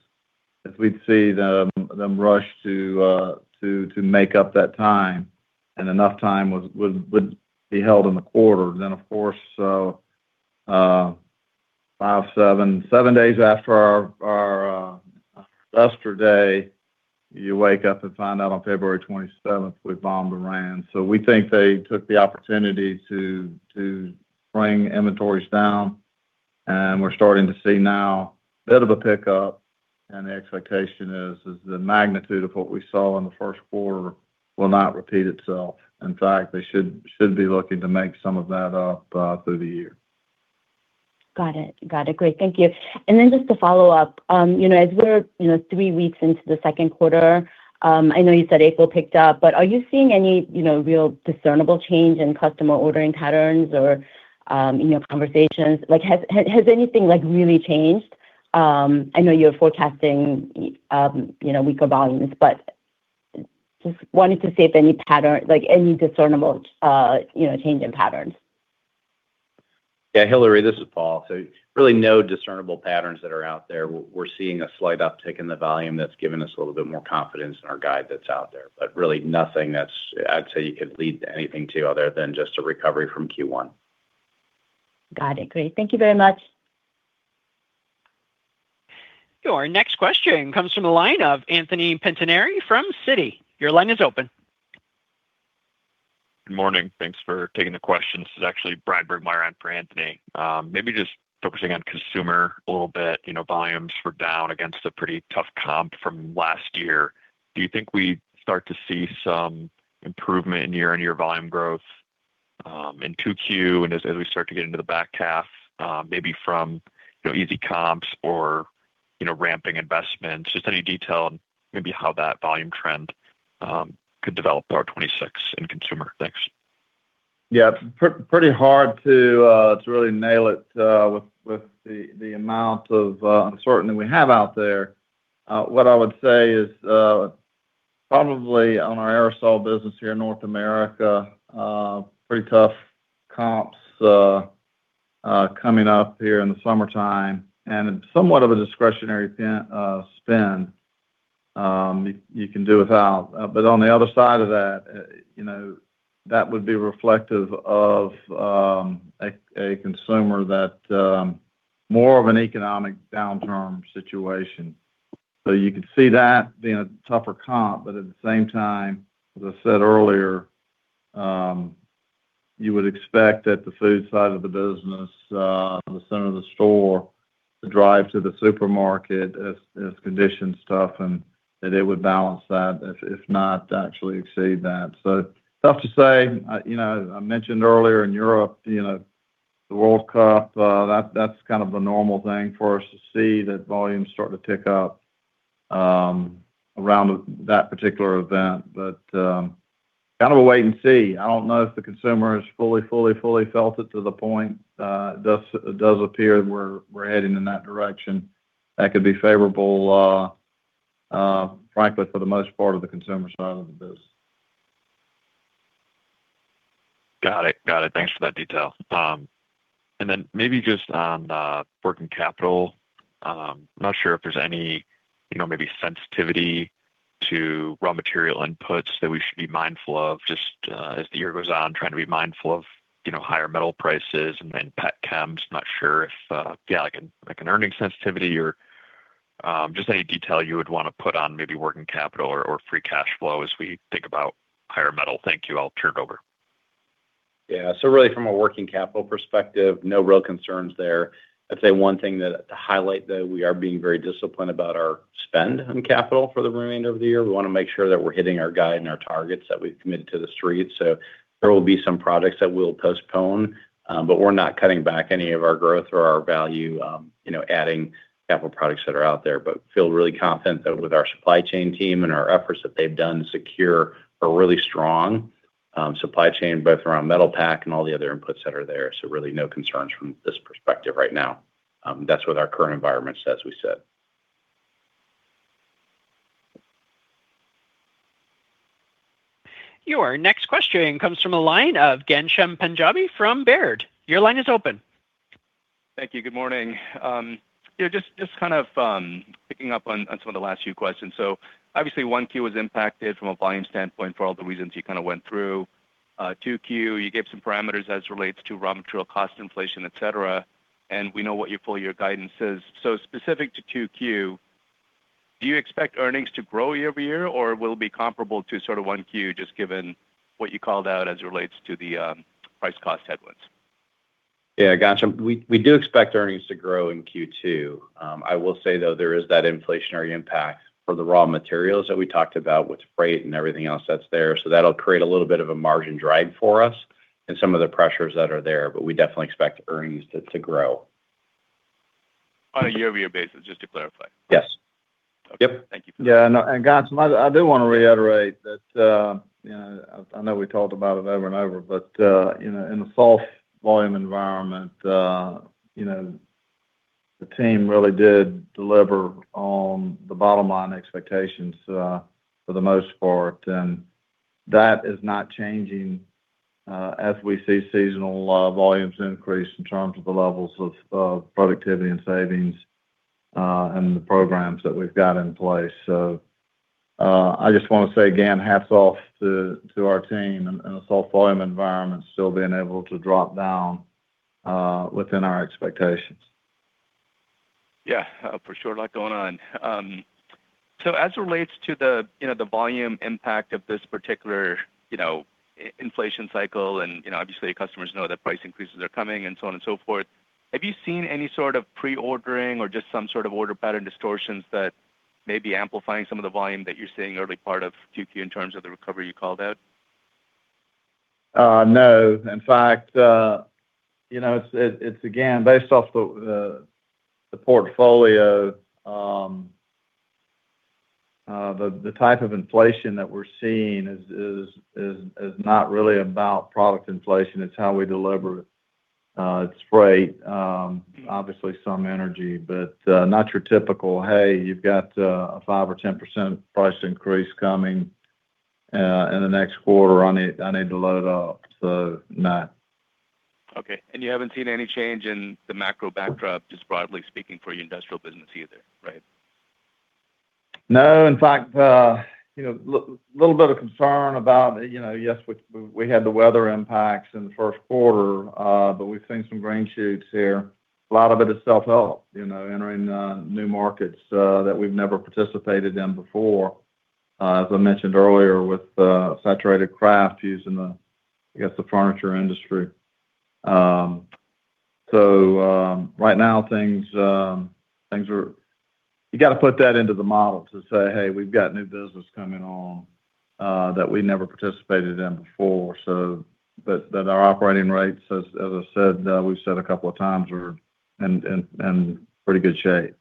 is we'd see them rush to make up that time, and enough time would be held in the quarter. Of course, five, seven days after our Investor Day, you wake up and find out on February 27th we bombed Iran. We think they took the opportunity to bring inventories down, and we're starting to see now a bit of a pickup, and the expectation is the magnitude of what we saw in the first quarter will not repeat itself. In fact, they should be looking to make some of that up through the year. Got it. Great. Thank you. Just to follow up, as we're three weeks into the second quarter, I know you said April picked up, but are you seeing any real discernible change in customer ordering patterns or conversations? Has anything really changed? I know you're forecasting weaker volumes, but just wanted to see if any discernible change in patterns. Yeah, Hillary, this is Paul. Really no discernible patterns that are out there. We're seeing a slight uptick in the volume that's given us a little bit more confidence in our guide that's out there, but really nothing that I'd say you could lead anything to other than just a recovery from Q1. Got it. Great. Thank you very much. Your next question comes from the line of Anthony Pettinari from Citi. Your line is open. Good morning. Thanks for taking the question. This is actually Bryan Burgmeier on for Anthony. Maybe just focusing on consumer a little bit, volumes were down against a pretty tough comp from last year. Do you think we start to see some improvement in year-on-year volume growth, in 2Q and as we start to get into the back half, maybe from easy comps or ramping investments? Just any detail on maybe how that volume trend could develop in 2026 and consumer. Thanks. Yeah. It's pretty hard to really nail it with the amount of uncertainty we have out there. What I would say is probably on our aerosol business here in North America, pretty tough comps coming up here in the summertime and somewhat of a discretionary spend you can do without. On the other side of that would be reflective of a consumer that more of an economic downturn situation. You could see that being a tougher comp. At the same time, as I said earlier, you would expect that the food side of the business, the center of the store, the drive to the supermarket as conditions toughen, that it would balance that, if not actually exceed that. Tough to say. I mentioned earlier in Europe, the World Cup, that's kind of a normal thing for us to see that volumes start to pick up around that particular event. Kind of a wait and see. I don't know if the consumer has fully felt it to the point. It does appear we're heading in that direction. That could be favorable, frankly, for the most part of the consumer side of the business. Got it. Thanks for that detail. Maybe just on working capital, I'm not sure if there's any maybe sensitivity to raw material inputs that we should be mindful of just as the year goes on, trying to be mindful of higher metal prices and pet chems. Not sure if like an earnings sensitivity or just any detail you would want to put on maybe working capital or free cash flow as we think about higher metal. Thank you. I'll turn it over. Yeah. Really from a working capital perspective, no real concerns there. I'd say one thing to highlight, though. We are being very disciplined about our spend on capital for the remainder of the year. We want to make sure that we're hitting our guide and our targets that we've committed to the Street. There will be some products that we'll postpone, but we're not cutting back any of our growth or our value-adding capital products that are out there. We feel really confident that with our supply chain team and our efforts that they've done to secure a really strong supply chain, both around metal packaging and all the other inputs that are there. Really no concerns from this perspective right now. That's with our current environment, as we said. Your next question comes from a line of Ghansham Panjabi from Baird. Your line is open. Thank you. Good morning. Just kind of picking up on some of the last few questions. Obviously 1Q was impacted from a volume standpoint for all the reasons you kind of went through. 2Q, you gave some parameters as it relates to raw material cost inflation, et cetera, and we know what your full year guidance is. Specific to 2Q, do you expect earnings to grow year-over-year, or will it be comparable to sort of 1Q, just given what you called out as it relates to the price cost headwinds? Yeah, Ghansham, we do expect earnings to grow in Q2. I will say, though, there is that inflationary impact for the raw materials that we talked about with freight and everything else that's there. That'll create a little bit of a margin drag for us and some of the pressures that are there, but we definitely expect earnings to grow. On a year-over-year basis, just to clarify. Yes. Okay. Thank you for that. Yeah. No, Ghansham, I do want to reiterate that. I know we talked about it over and over, but in the soft volume environment, the team really did deliver on the bottom line expectations for the most part, and that is not changing as we see seasonal volumes increase in terms of the levels of productivity and savings and the programs that we've got in place. I just want to say again, hats off to our team in a soft volume environment, still being able to drop down within our expectations. Yeah, for sure. A lot going on. As it relates to the volume impact of this particular inflation cycle, and obviously customers know that price increases are coming and so on and so forth, have you seen any sort of pre-ordering or just some sort of order pattern distortions that may be amplifying some of the volume that you're seeing early part of 2Q in terms of the recovery you called out? No. In fact, it's again, based off the portfolio, the type of inflation that we're seeing is not really about product inflation, it's how we deliver. It's freight, obviously some energy, but not your typical, "Hey, you've got a 5%-10% price increase coming." In the next quarter, I need to load it up. No. Okay. You haven't seen any change in the macro backdrop, just broadly speaking, for your industrial business either, right? No. In fact, a little bit of concern about, yes, we had the weather impacts in the first quarter, but we've seen some green shoots here. A lot of it is self-help, entering new markets that we've never participated in before. As I mentioned earlier with saturating kraft using the, I guess, the furniture industry. Right now, you got to put that into the model to say, "Hey, we've got new business coming on that we never participated in before." Our operating rates, as I said, we've said a couple of times, are in pretty good shape.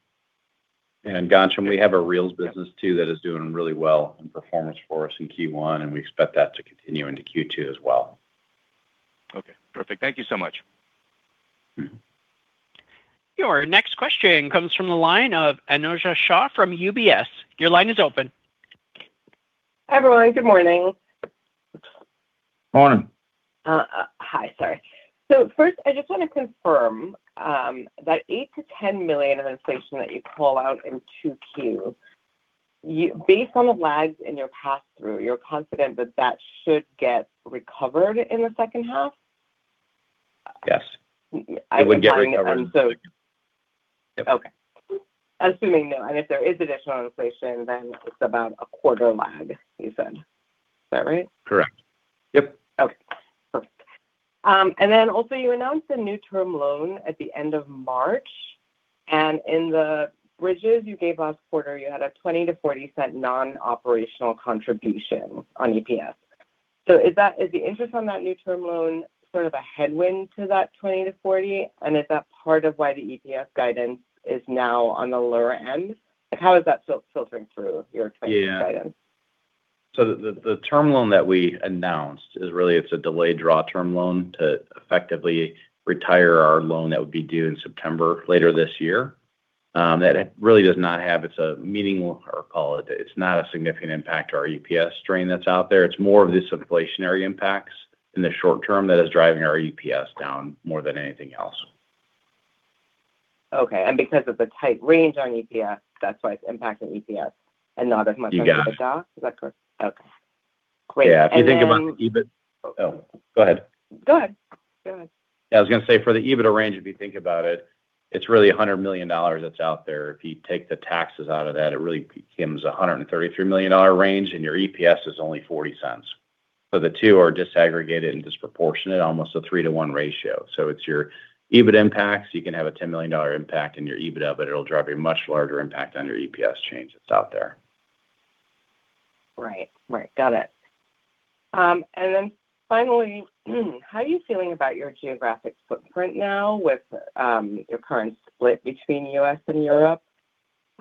Ghansham Panjabi, we have a reels business too that is doing really well in performance for us in Q1, and we expect that to continue into Q2 as well. Okay. Perfect. Thank you so much. Mm-hmm. Your next question comes from the line of Anojja Shah from UBS. Your line is open. Hi, everyone. Good morning. Morning. Hi. Sorry. First, I just want to confirm, that $8 million-$10 million of inflation that you call out in 2Q, based on the lags in your pass-through, you're confident that should get recovered in the second half? Yes. It would get recovered. Okay. Assuming, though, and if there is additional inflation, then it's about a quarter lag, you said. Is that right? Correct. Yep. Okay. Perfect. Also, you announced a new term loan at the end of March, and in the bridges you gave last quarter, you had a $0.20-$0.40 non-operational contribution on EPS. Is the interest on that new term loan sort of a headwind to that $0.20-$0.40, and is that part of why the EPS guidance is now on the lower end? How is that filtering through your 2024 guidance? Yeah. The term loan that we announced is really, it's a delayed draw term loan to effectively retire our loan that would be due in September later this year. It's not a significant impact to our EPS range that's out there. It's more of these inflationary impacts in the short term that is driving our EPS down more than anything else. Okay. Because of the tight range on EPS, that's why it's impacting EPS and not as much on the top- You got it. Is that correct? Okay, great. Then- Yeah. If you think about the EBIT. Oh, go ahead. Go ahead. I was going to say, for the EBIT range, if you think about it's really $100 million that's out there. If you take the taxes out of that, it really becomes $133 million range, and your EPS is only $0.40. The two are disaggregated and disproportionate, almost a 3-to-1 ratio. It's your EBIT impacts. You can have a $10 million impact in your EBIT, but it'll drive a much larger impact on your EPS change that's out there. Right. Got it. Finally, how are you feeling about your geographic footprint now with your current split between U.S. and Europe?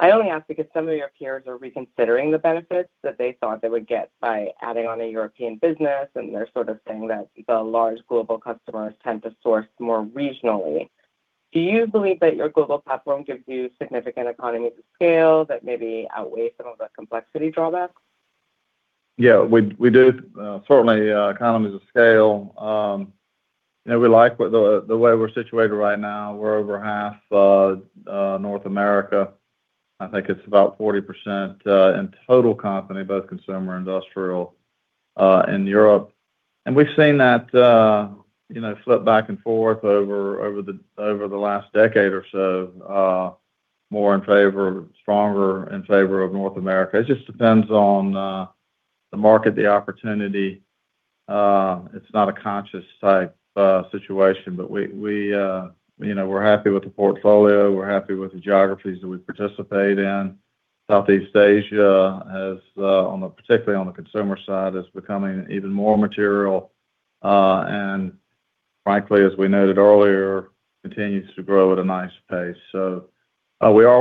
I only ask because some of your peers are reconsidering the benefits that they thought they would get by adding on a European business, and they're sort of saying that the large global customers tend to source more regionally. Do you believe that your global platform gives you significant economies of scale that maybe outweigh some of the complexity drawbacks? Yeah. We do. Certainly, economies of scale. We like the way we're situated right now. We're over half North America. I think it's about 40% in total company, both consumer and industrial, in Europe. We've seen that flip back and forth over the last decade or so, more in favor, stronger in favor of North America. It just depends on the market, the opportunity. It's not a conscious type situation. We're happy with the portfolio. We're happy with the geographies that we participate in. Southeast Asia, particularly on the consumer side, is becoming even more material. Frankly, as we noted earlier, continues to grow at a nice pace. We are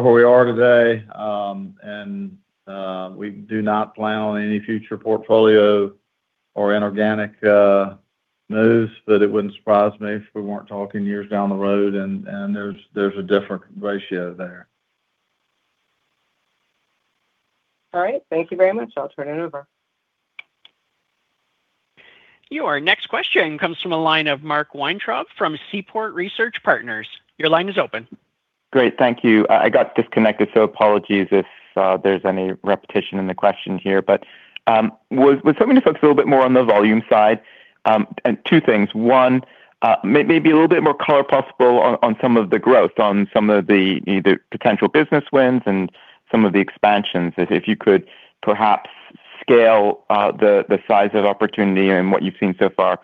where we are today, and we do not plan on any future portfolio or inorganic moves, but it wouldn't surprise me if we weren't talking years down the road and there's a different ratio there. All right. Thank you very much. I'll turn it over. Your next question comes from the line of Mark Weintraub from Seaport Research Partners. Your line is open. Great. Thank you. I got disconnected, so apologies if there's any repetition in the question here. was hoping to focus a little bit more on the volume side. Two things. One, maybe a little bit more color possible on some of the growth, on some of the potential business wins and some of the expansions. If you could perhaps scale the size of opportunity and what you've seen so far.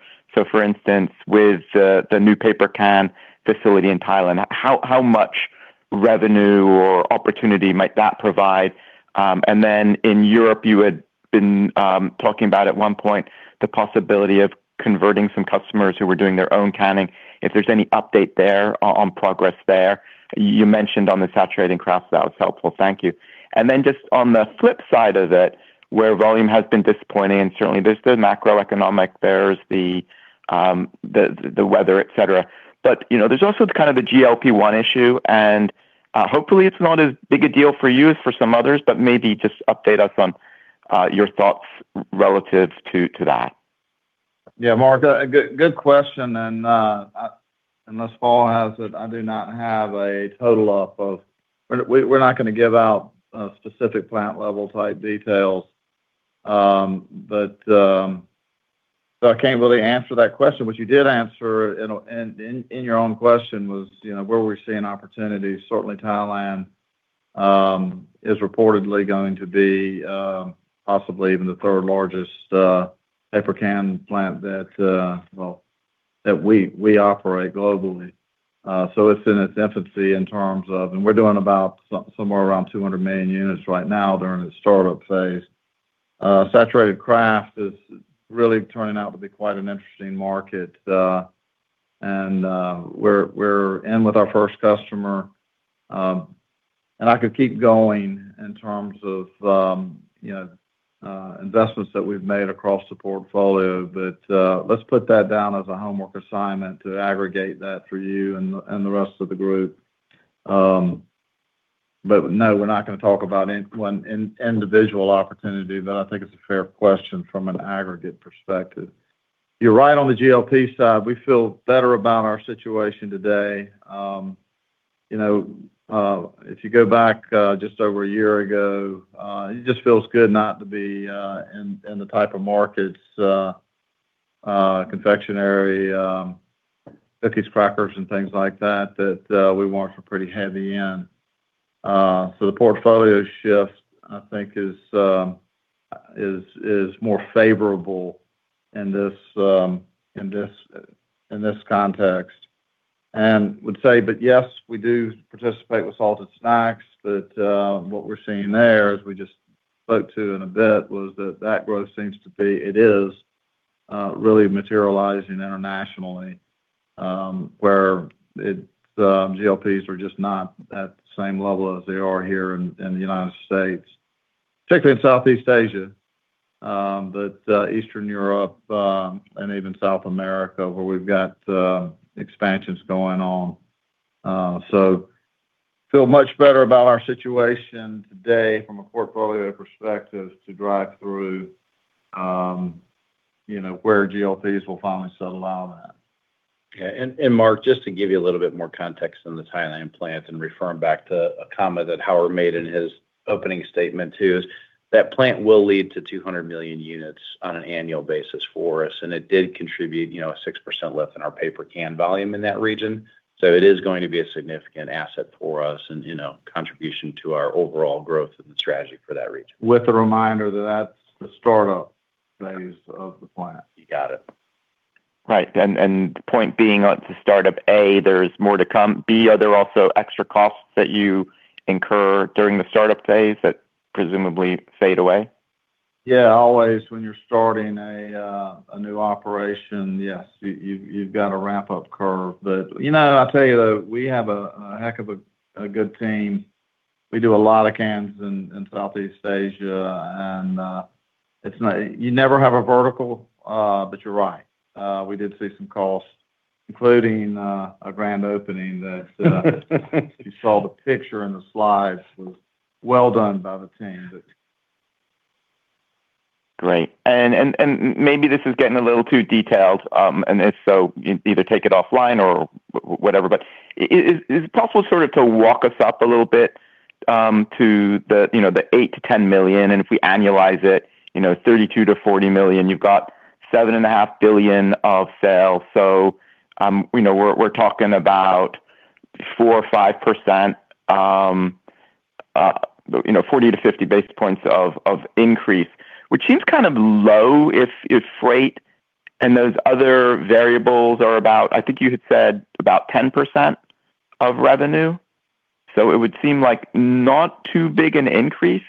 for instance, with the new paper can facility in Thailand, how much revenue or opportunity might that provide? Then in Europe, you had been talking about at one point the possibility of converting some customers who were doing their own canning. If there's any update there on progress there. You mentioned on the saturating kraft, that was helpful. Thank you Just on the flip side of it, where volume has been disappointing, and certainly there's the macroeconomic, there's the weather, et cetera, et cetera, but there's also the kind of the GLP-1 issue, and hopefully it's not as big a deal for you as for some others. Maybe just update us on your thoughts relative to that. Yeah, Mark, a good question. Unless Paul has it, I do not have a total off the top of my head. We're not going to give out specific plant level type details. I can't really answer that question. What you did answer in your own question was where are we seeing opportunities? Certainly Thailand is reportedly going to be possibly even the third largest paper can plant that we operate globally. It's in its infancy in terms of, and we're doing about somewhere around 200 million units right now during its startup phase. Saturating kraft is really turning out to be quite an interesting market. We're in with our first customer. I could keep going in terms of investments that we've made across the portfolio. Let's put that down as a homework assignment to aggregate that for you and the rest of the group. No, we're not going to talk about one individual opportunity, but I think it's a fair question from an aggregate perspective. You're right on the GLP side, we feel better about our situation today. If you go back just over a year ago, it just feels good not to be in the type of markets, confectionery, cookies, crackers, and things like that we weren't pretty heavy in. The portfolio shift, I think is more favorable in this context. I would say, but yes, we do participate with salted snacks. What we're seeing there, as we just spoke to in a bit, was that growth seems to be, it is really materializing internationally, where the GLPs are just not at the same level as they are here in the United States, particularly in Southeast Asia. Eastern Europe, and even South America, where we've got expansions going on. We feel much better about our situation today from a portfolio perspective to drive through where GLPs will finally settle out at. Yeah. Mark, just to give you a little bit more context on the Thailand plant and referring back to a comment that Howard made in his opening statement, too, is that plant will lead to 200 million units on an annual basis for us, and it did contribute a 6% lift in our paper can volume in that region. It is going to be a significant asset for us and contribution to our overall growth and the strategy for that region. With the reminder, that's the startup phase of the plant. You got it. Right. The point being, it's a startup, A, there's more to come, B, are there also extra costs that you incur during the startup phase that presumably fade away? Yeah. Always when you're starting a new operation, yes, you've got a ramp-up curve. I'll tell you though, we have a heck of a good team. We do a lot of cans in Southeast Asia, and you never have a vertical, but you're right. We did see some costs, including a grand opening you saw the picture in the slides, was well done by the team. Great. Maybe this is getting a little too detailed, and if so, either take it offline or whatever, but is it possible sort of to walk us up a little bit, to the $8 million-$10 million? If we annualize it, $32 million-$40 million. You've got $7.5 billion of sales. We're talking about 4%-5%, 40-50 basis points of increase, which seems kind of low if freight and those other variables are about, I think you had said about 10% of revenue. It would seem like not too big an increase.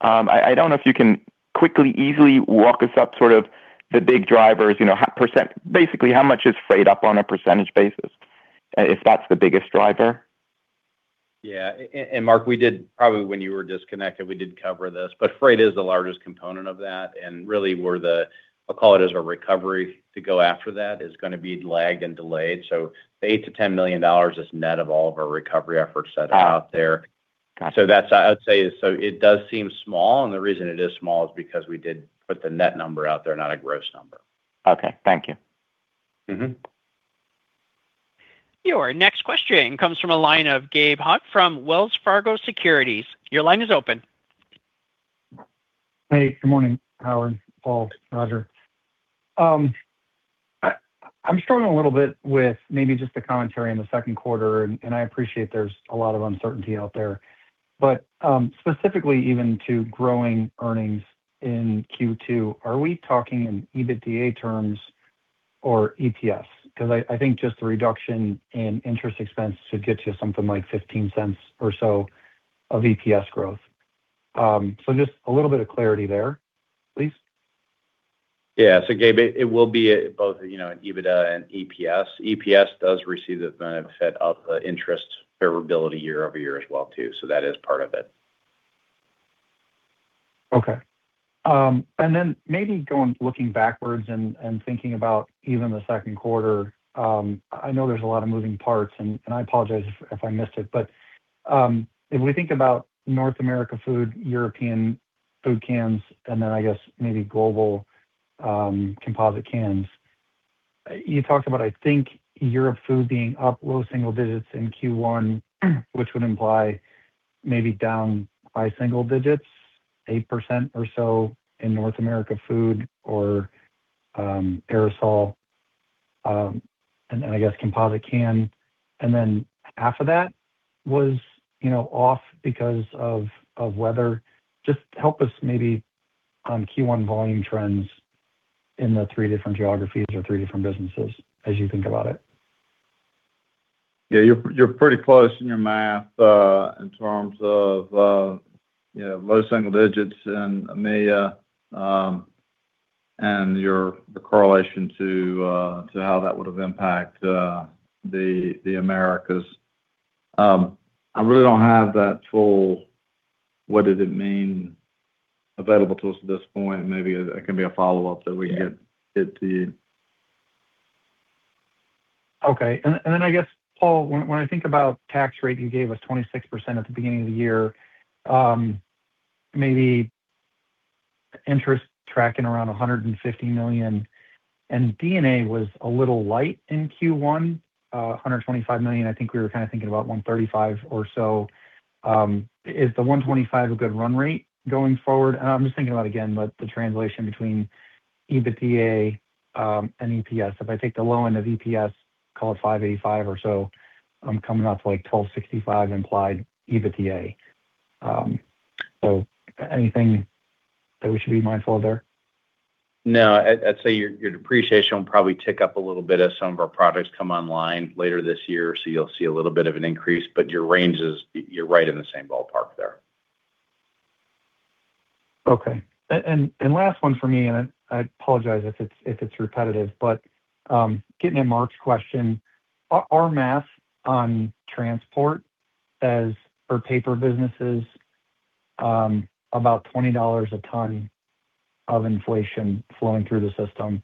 I don't know if you can quickly, easily walk us up sort of the big drivers, basically how much is freight up on a percentage basis. If that's the biggest driver. Yeah. Mark, probably when you were disconnected, we did cover this, but freight is the largest component of that, and really where the, I'll call it as a recovery to go after that is gonna be lagged and delayed. The $8 million-$10 million is net of all of our recovery efforts that are out there. Got it. I would say it does seem small, and the reason it is small is because we did put the net number out there, not a gross number. Okay. Thank you. Mm-hmm. Your next question comes from the line of Gabe Hajde from Wells Fargo Securities. Your line is open. Hey, good morning, Howard, Paul, Roger. I'm struggling a little bit with maybe just the commentary on the second quarter, and I appreciate there's a lot of uncertainty out there, but specifically even to growing earnings in Q2, are we talking in EBITDA terms or EPS? Because I think just the reduction in interest expense should get to something like $0.15 or so of EPS growth. Just a little bit of clarity there, please. Yeah. Gabe, it will be both in EBITDA and EPS. EPS does receive the benefit of the interest favorability year-over-year as well too, so that is part of it. Okay. Maybe looking backwards and thinking about even the second quarter, I know there's a lot of moving parts, and I apologize if I missed it, but. If we think about North America food, European food cans, and then I guess maybe global composite cans. You talked about, I think, Europe food being up low single digits in Q1, which would imply maybe down high single digits, 8% or so in North America food or aerosol, and then I guess composite can. Half of that was off because of weather. Just help us maybe on Q1 volume trends in the three different geographies or three different businesses as you think about it. Yeah. You're pretty close in your math in terms of low single digits in EMEA and the correlation to how that would have impact the Americas. I really don't have that full what does it mean available to us at this point. Maybe that can be a follow-up that we hit the. Okay. I guess, Paul, when I think about tax rate, you gave us 26% at the beginning of the year. Maybe interest tracking around $150 million, and D&A was a little light in Q1, $125 million. I think we were kind of thinking about $135 million or so. Is the 125 a good run rate going forward? I'm just thinking about, again, the translation between EBITDA and EPS. If I take the low end of EPS, call it 585 or so, I'm coming out to like 1,265 implied EBITDA. Anything that we should be mindful of there? No. I'd say your depreciation will probably tick up a little bit as some of our products come online later this year. You'll see a little bit of an increase. Your ranges, you're right in the same ballpark there. Okay. Last one for me, and I apologize if it's repetitive, but getting at Mark's question. Our math on transport as our paper business is about $20 a ton of inflation flowing through the system.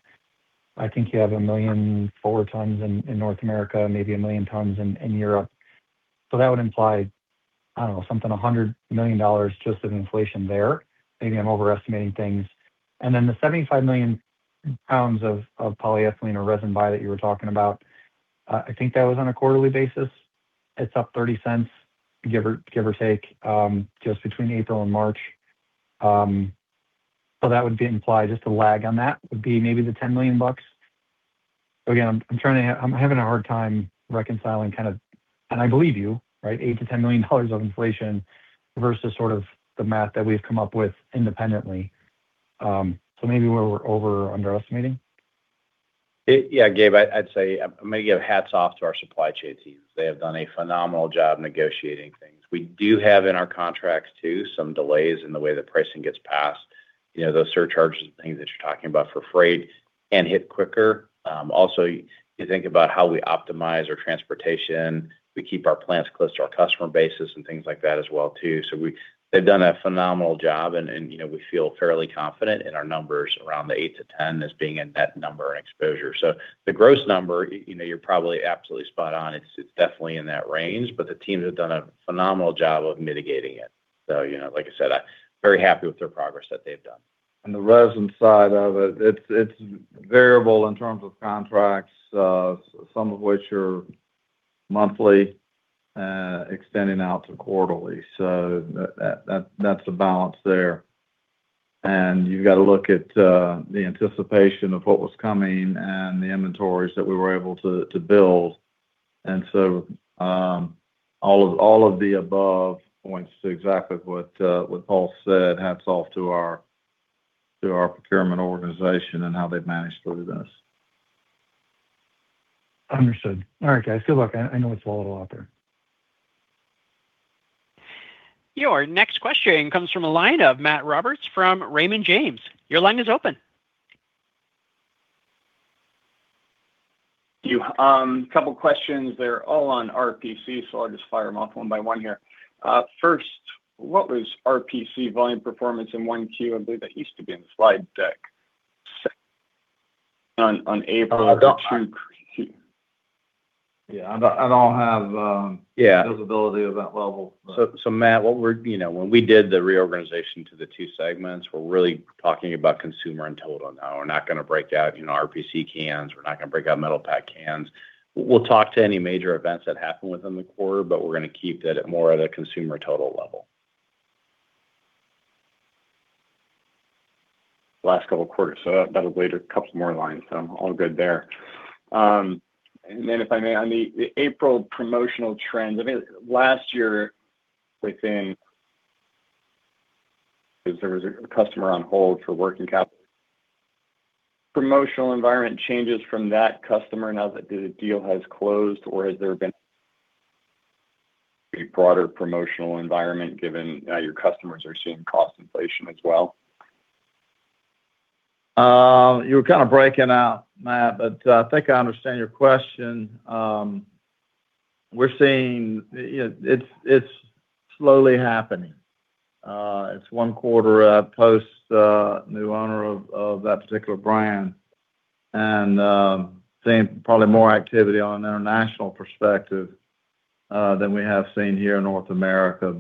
I think you have 1 million forward tons in North America, maybe 1 million tons in Europe. That would imply, I don't know, something, $100 million just of inflation there. Maybe I'm overestimating things. Then the 75 million pounds of polyethylene or resin buy that you were talking about, I think that was on a quarterly basis. It's up 30 cents, give or take, just between April and March. That would be implied, just a lag on that would be maybe the $10 million bucks. Again, I'm having a hard time reconciling kind of and I believe you, right? $8 million-$10 million of inflation versus sort of the math that we've come up with independently. Maybe we're over- or underestimating. Yeah. Gabe, I'd say maybe hats off to our supply chain teams. They have done a phenomenal job negotiating things. We do have in our contracts, too, some delays in the way that pricing gets passed. Those surcharges and things that you're talking about for freight can hit quicker. Also, you think about how we optimize our transportation. We keep our plants close to our customer bases and things like that as well too. They've done a phenomenal job, and we feel fairly confident in our numbers around the eight to 10 as being a net number and exposure. The gross number, you're probably absolutely spot on. It's definitely in that range, but the teams have done a phenomenal job of mitigating it. Like I said, very happy with their progress that they've done. On the resin side of it's variable in terms of contracts, some of which are monthly extending out to quarterly. That's the balance there. You've got to look at the anticipation of what was coming and the inventories that we were able to build. All of the above points to exactly what Paul said. Hats off to our procurement organization and how they've managed through this. Understood. All right, guys, good luck. I know it's volatile out there. Your next question comes from a line of Matt Roberts from Raymond James. Your line is open. Thank you. Couple questions. They're all on RPC, so I'll just fire them off one by one here. First, what was RPC volume performance in 1Q? I believe that used to be in the slide deck. On April 2. Yeah. I don't have Yeah visibility of that level. Matt, when we did the reorganization to the two segments, we're really talking about consumer and total now. We're not going to break out RPC cans. We're not going to break out metal pack cans. We'll talk to any major events that happen within the quarter, but we're going to keep that at a more consumer total level. Last couple of quarters, so that'll add a couple more lines. I'm all good there. If I may, on the April promotional trends, I mean, last year, because there was a customer on hold for working capital, has there been promotional environment changes from that customer now that the deal has closed, or has there been a broader promotional environment given your customers are seeing cost inflation as well? You were kind of breaking up, Matt, but I think I understand your question. We're seeing it's slowly happening. It's one quarter post new owner of that particular brand. Seeing probably more activity on an international perspective than we have seen here in North America.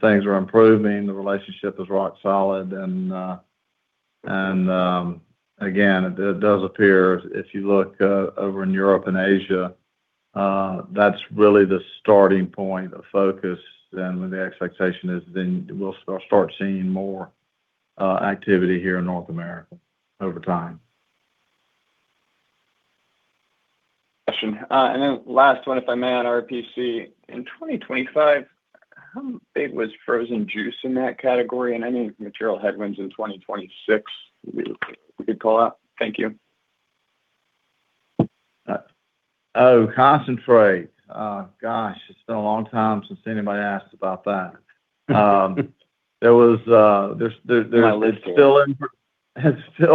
Things are improving. The relationship is rock solid. Again, it does appear if you look over in Europe and Asia, that's really the starting point of focus. The expectation is then we'll start seeing more activity here in North America over time. Question. Last one, if I may, on RPC. In 2025, how big was frozen juice in that category and any material headwinds in 2026 we could call out? Thank you. Oh, concentrate. Gosh, it's been a long time since anybody asked about that. It's still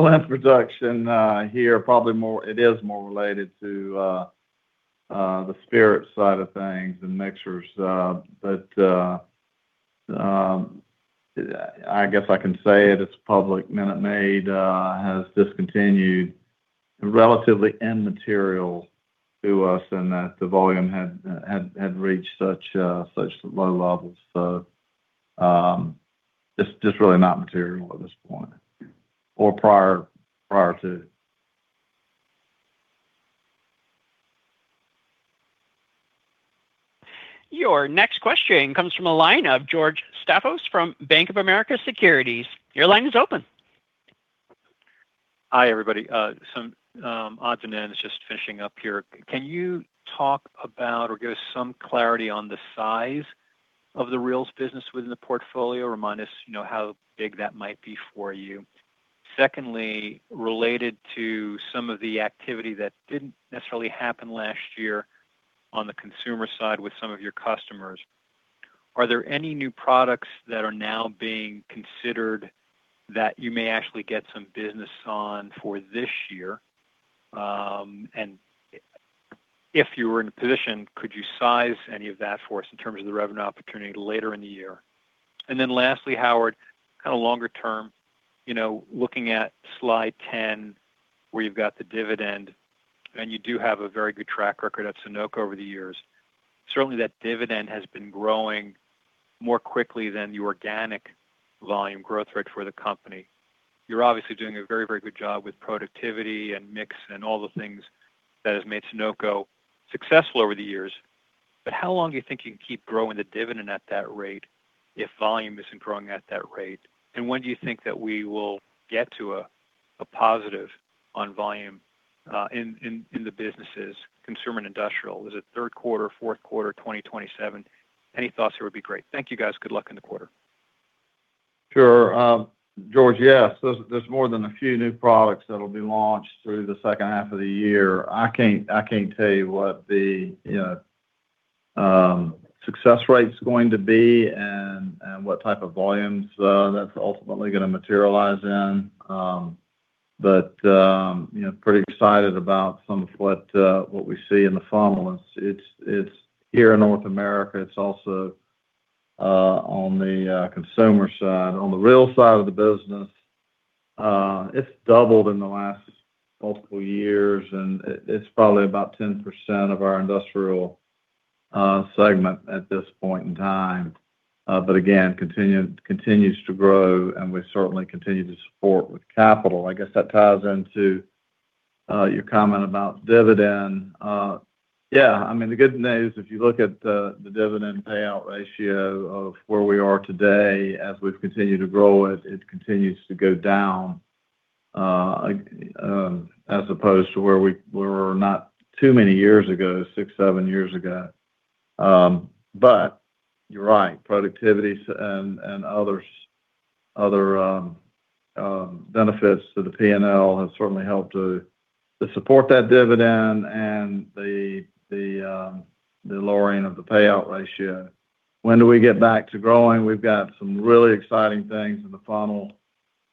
in production here. It is more related to the spirit side of things and mixers. But I guess I can say it's public. Minute Maid has discontinued. Relatively immaterial to us in that the volume had reached such low levels. Just really not material at this point or prior to. Your next question comes from the line of George Staphos from Bank of America Securities. Your line is open. Hi, everybody. Some odds and ends, just finishing up here. Can you talk about or give some clarity on the size of the reels business within the portfolio? Remind us how big that might be for you. Secondly, related to some of the activity that didn't necessarily happen last year on the consumer side with some of your customers, are there any new products that are now being considered that you may actually get some business on for this year? And if you were in a position, could you size any of that for us in terms of the revenue opportunity later in the year? Lastly, Howard, kind of longer term, looking at Slide 10 where you've got the dividend, and you do have a very good track record at Sonoco over the years. Certainly that dividend has been growing more quickly than the organic volume growth rate for the company. You're obviously doing a very good job with productivity and mix and all the things that has made Sonoco successful over the years. How long do you think you can keep growing the dividend at that rate if volume isn't growing at that rate? When do you think that we will get to a positive on volume in the businesses, consumer and industrial? Is it third quarter, fourth quarter 2027? Any thoughts here would be great. Thank you, guys. Good luck in the quarter. Sure. George, yes, there's more than a few new products that'll be launched through the second half of the year. I can't tell you what the success rate's going to be and what type of volumes that's ultimately going to materialize in. Pretty excited about some of what we see in the funnel. It's here in North America. It's also on the consumer side. On the rigid side of the business, it's doubled in the last multiple years, and it's probably about 10% of our industrial segment at this point in time. Again, continues to grow, and we certainly continue to support with capital. I guess that ties into your comment about dividend. Yeah. The good news, if you look at the dividend payout ratio of where we are today, as we've continued to grow it continues to go down, as opposed to where we were not too many years ago, six, seven years ago. You're right, productivity and other benefits to the P&L have certainly helped to support that dividend and the lowering of the payout ratio. When do we get back to growing? We've got some really exciting things in the funnel.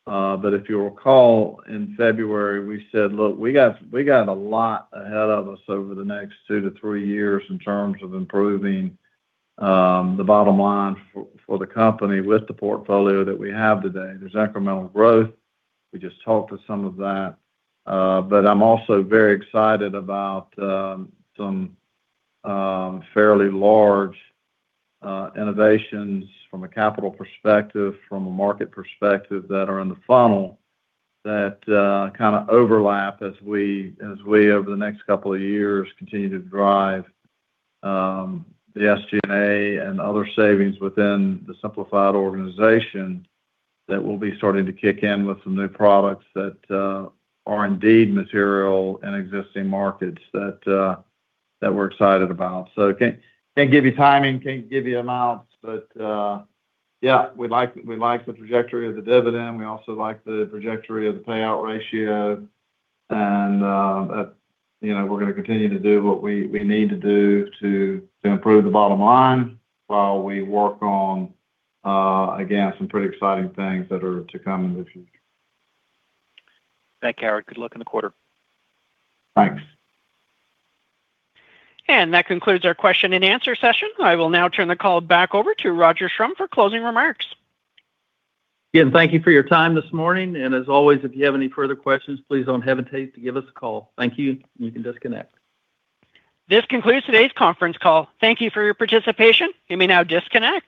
If you'll recall, in February, we said, "Look, we got a lot ahead of us over the next two to three years in terms of improving the bottom line for the company with the portfolio that we have today." There's incremental growth. We just talked to some of that. I'm also very excited about some fairly large innovations from a capital perspective, from a market perspective that are in the funnel that kind of overlap as we, over the next couple of years, continue to drive the SG&A and other savings within the simplified organization that will be starting to kick in with some new products that are indeed material in existing markets that we're excited about. Can't give you timing, can't give you amounts, but yeah, we like the trajectory of the dividend. We also like the trajectory of the payout ratio. We're going to continue to do what we need to do to improve the bottom line while we work on, again, some pretty exciting things that are to come in the future. Thanks, Howard. Good luck in the quarter. Thanks. That concludes our question and answer session. I will now turn the call back over to Roger Schrum for closing remarks. Again, thank you for your time this morning. As always, if you have any further questions, please don't hesitate to give us a call. Thank you. You can disconnect. This concludes today's conference call. Thank you for your participation. You may now disconnect.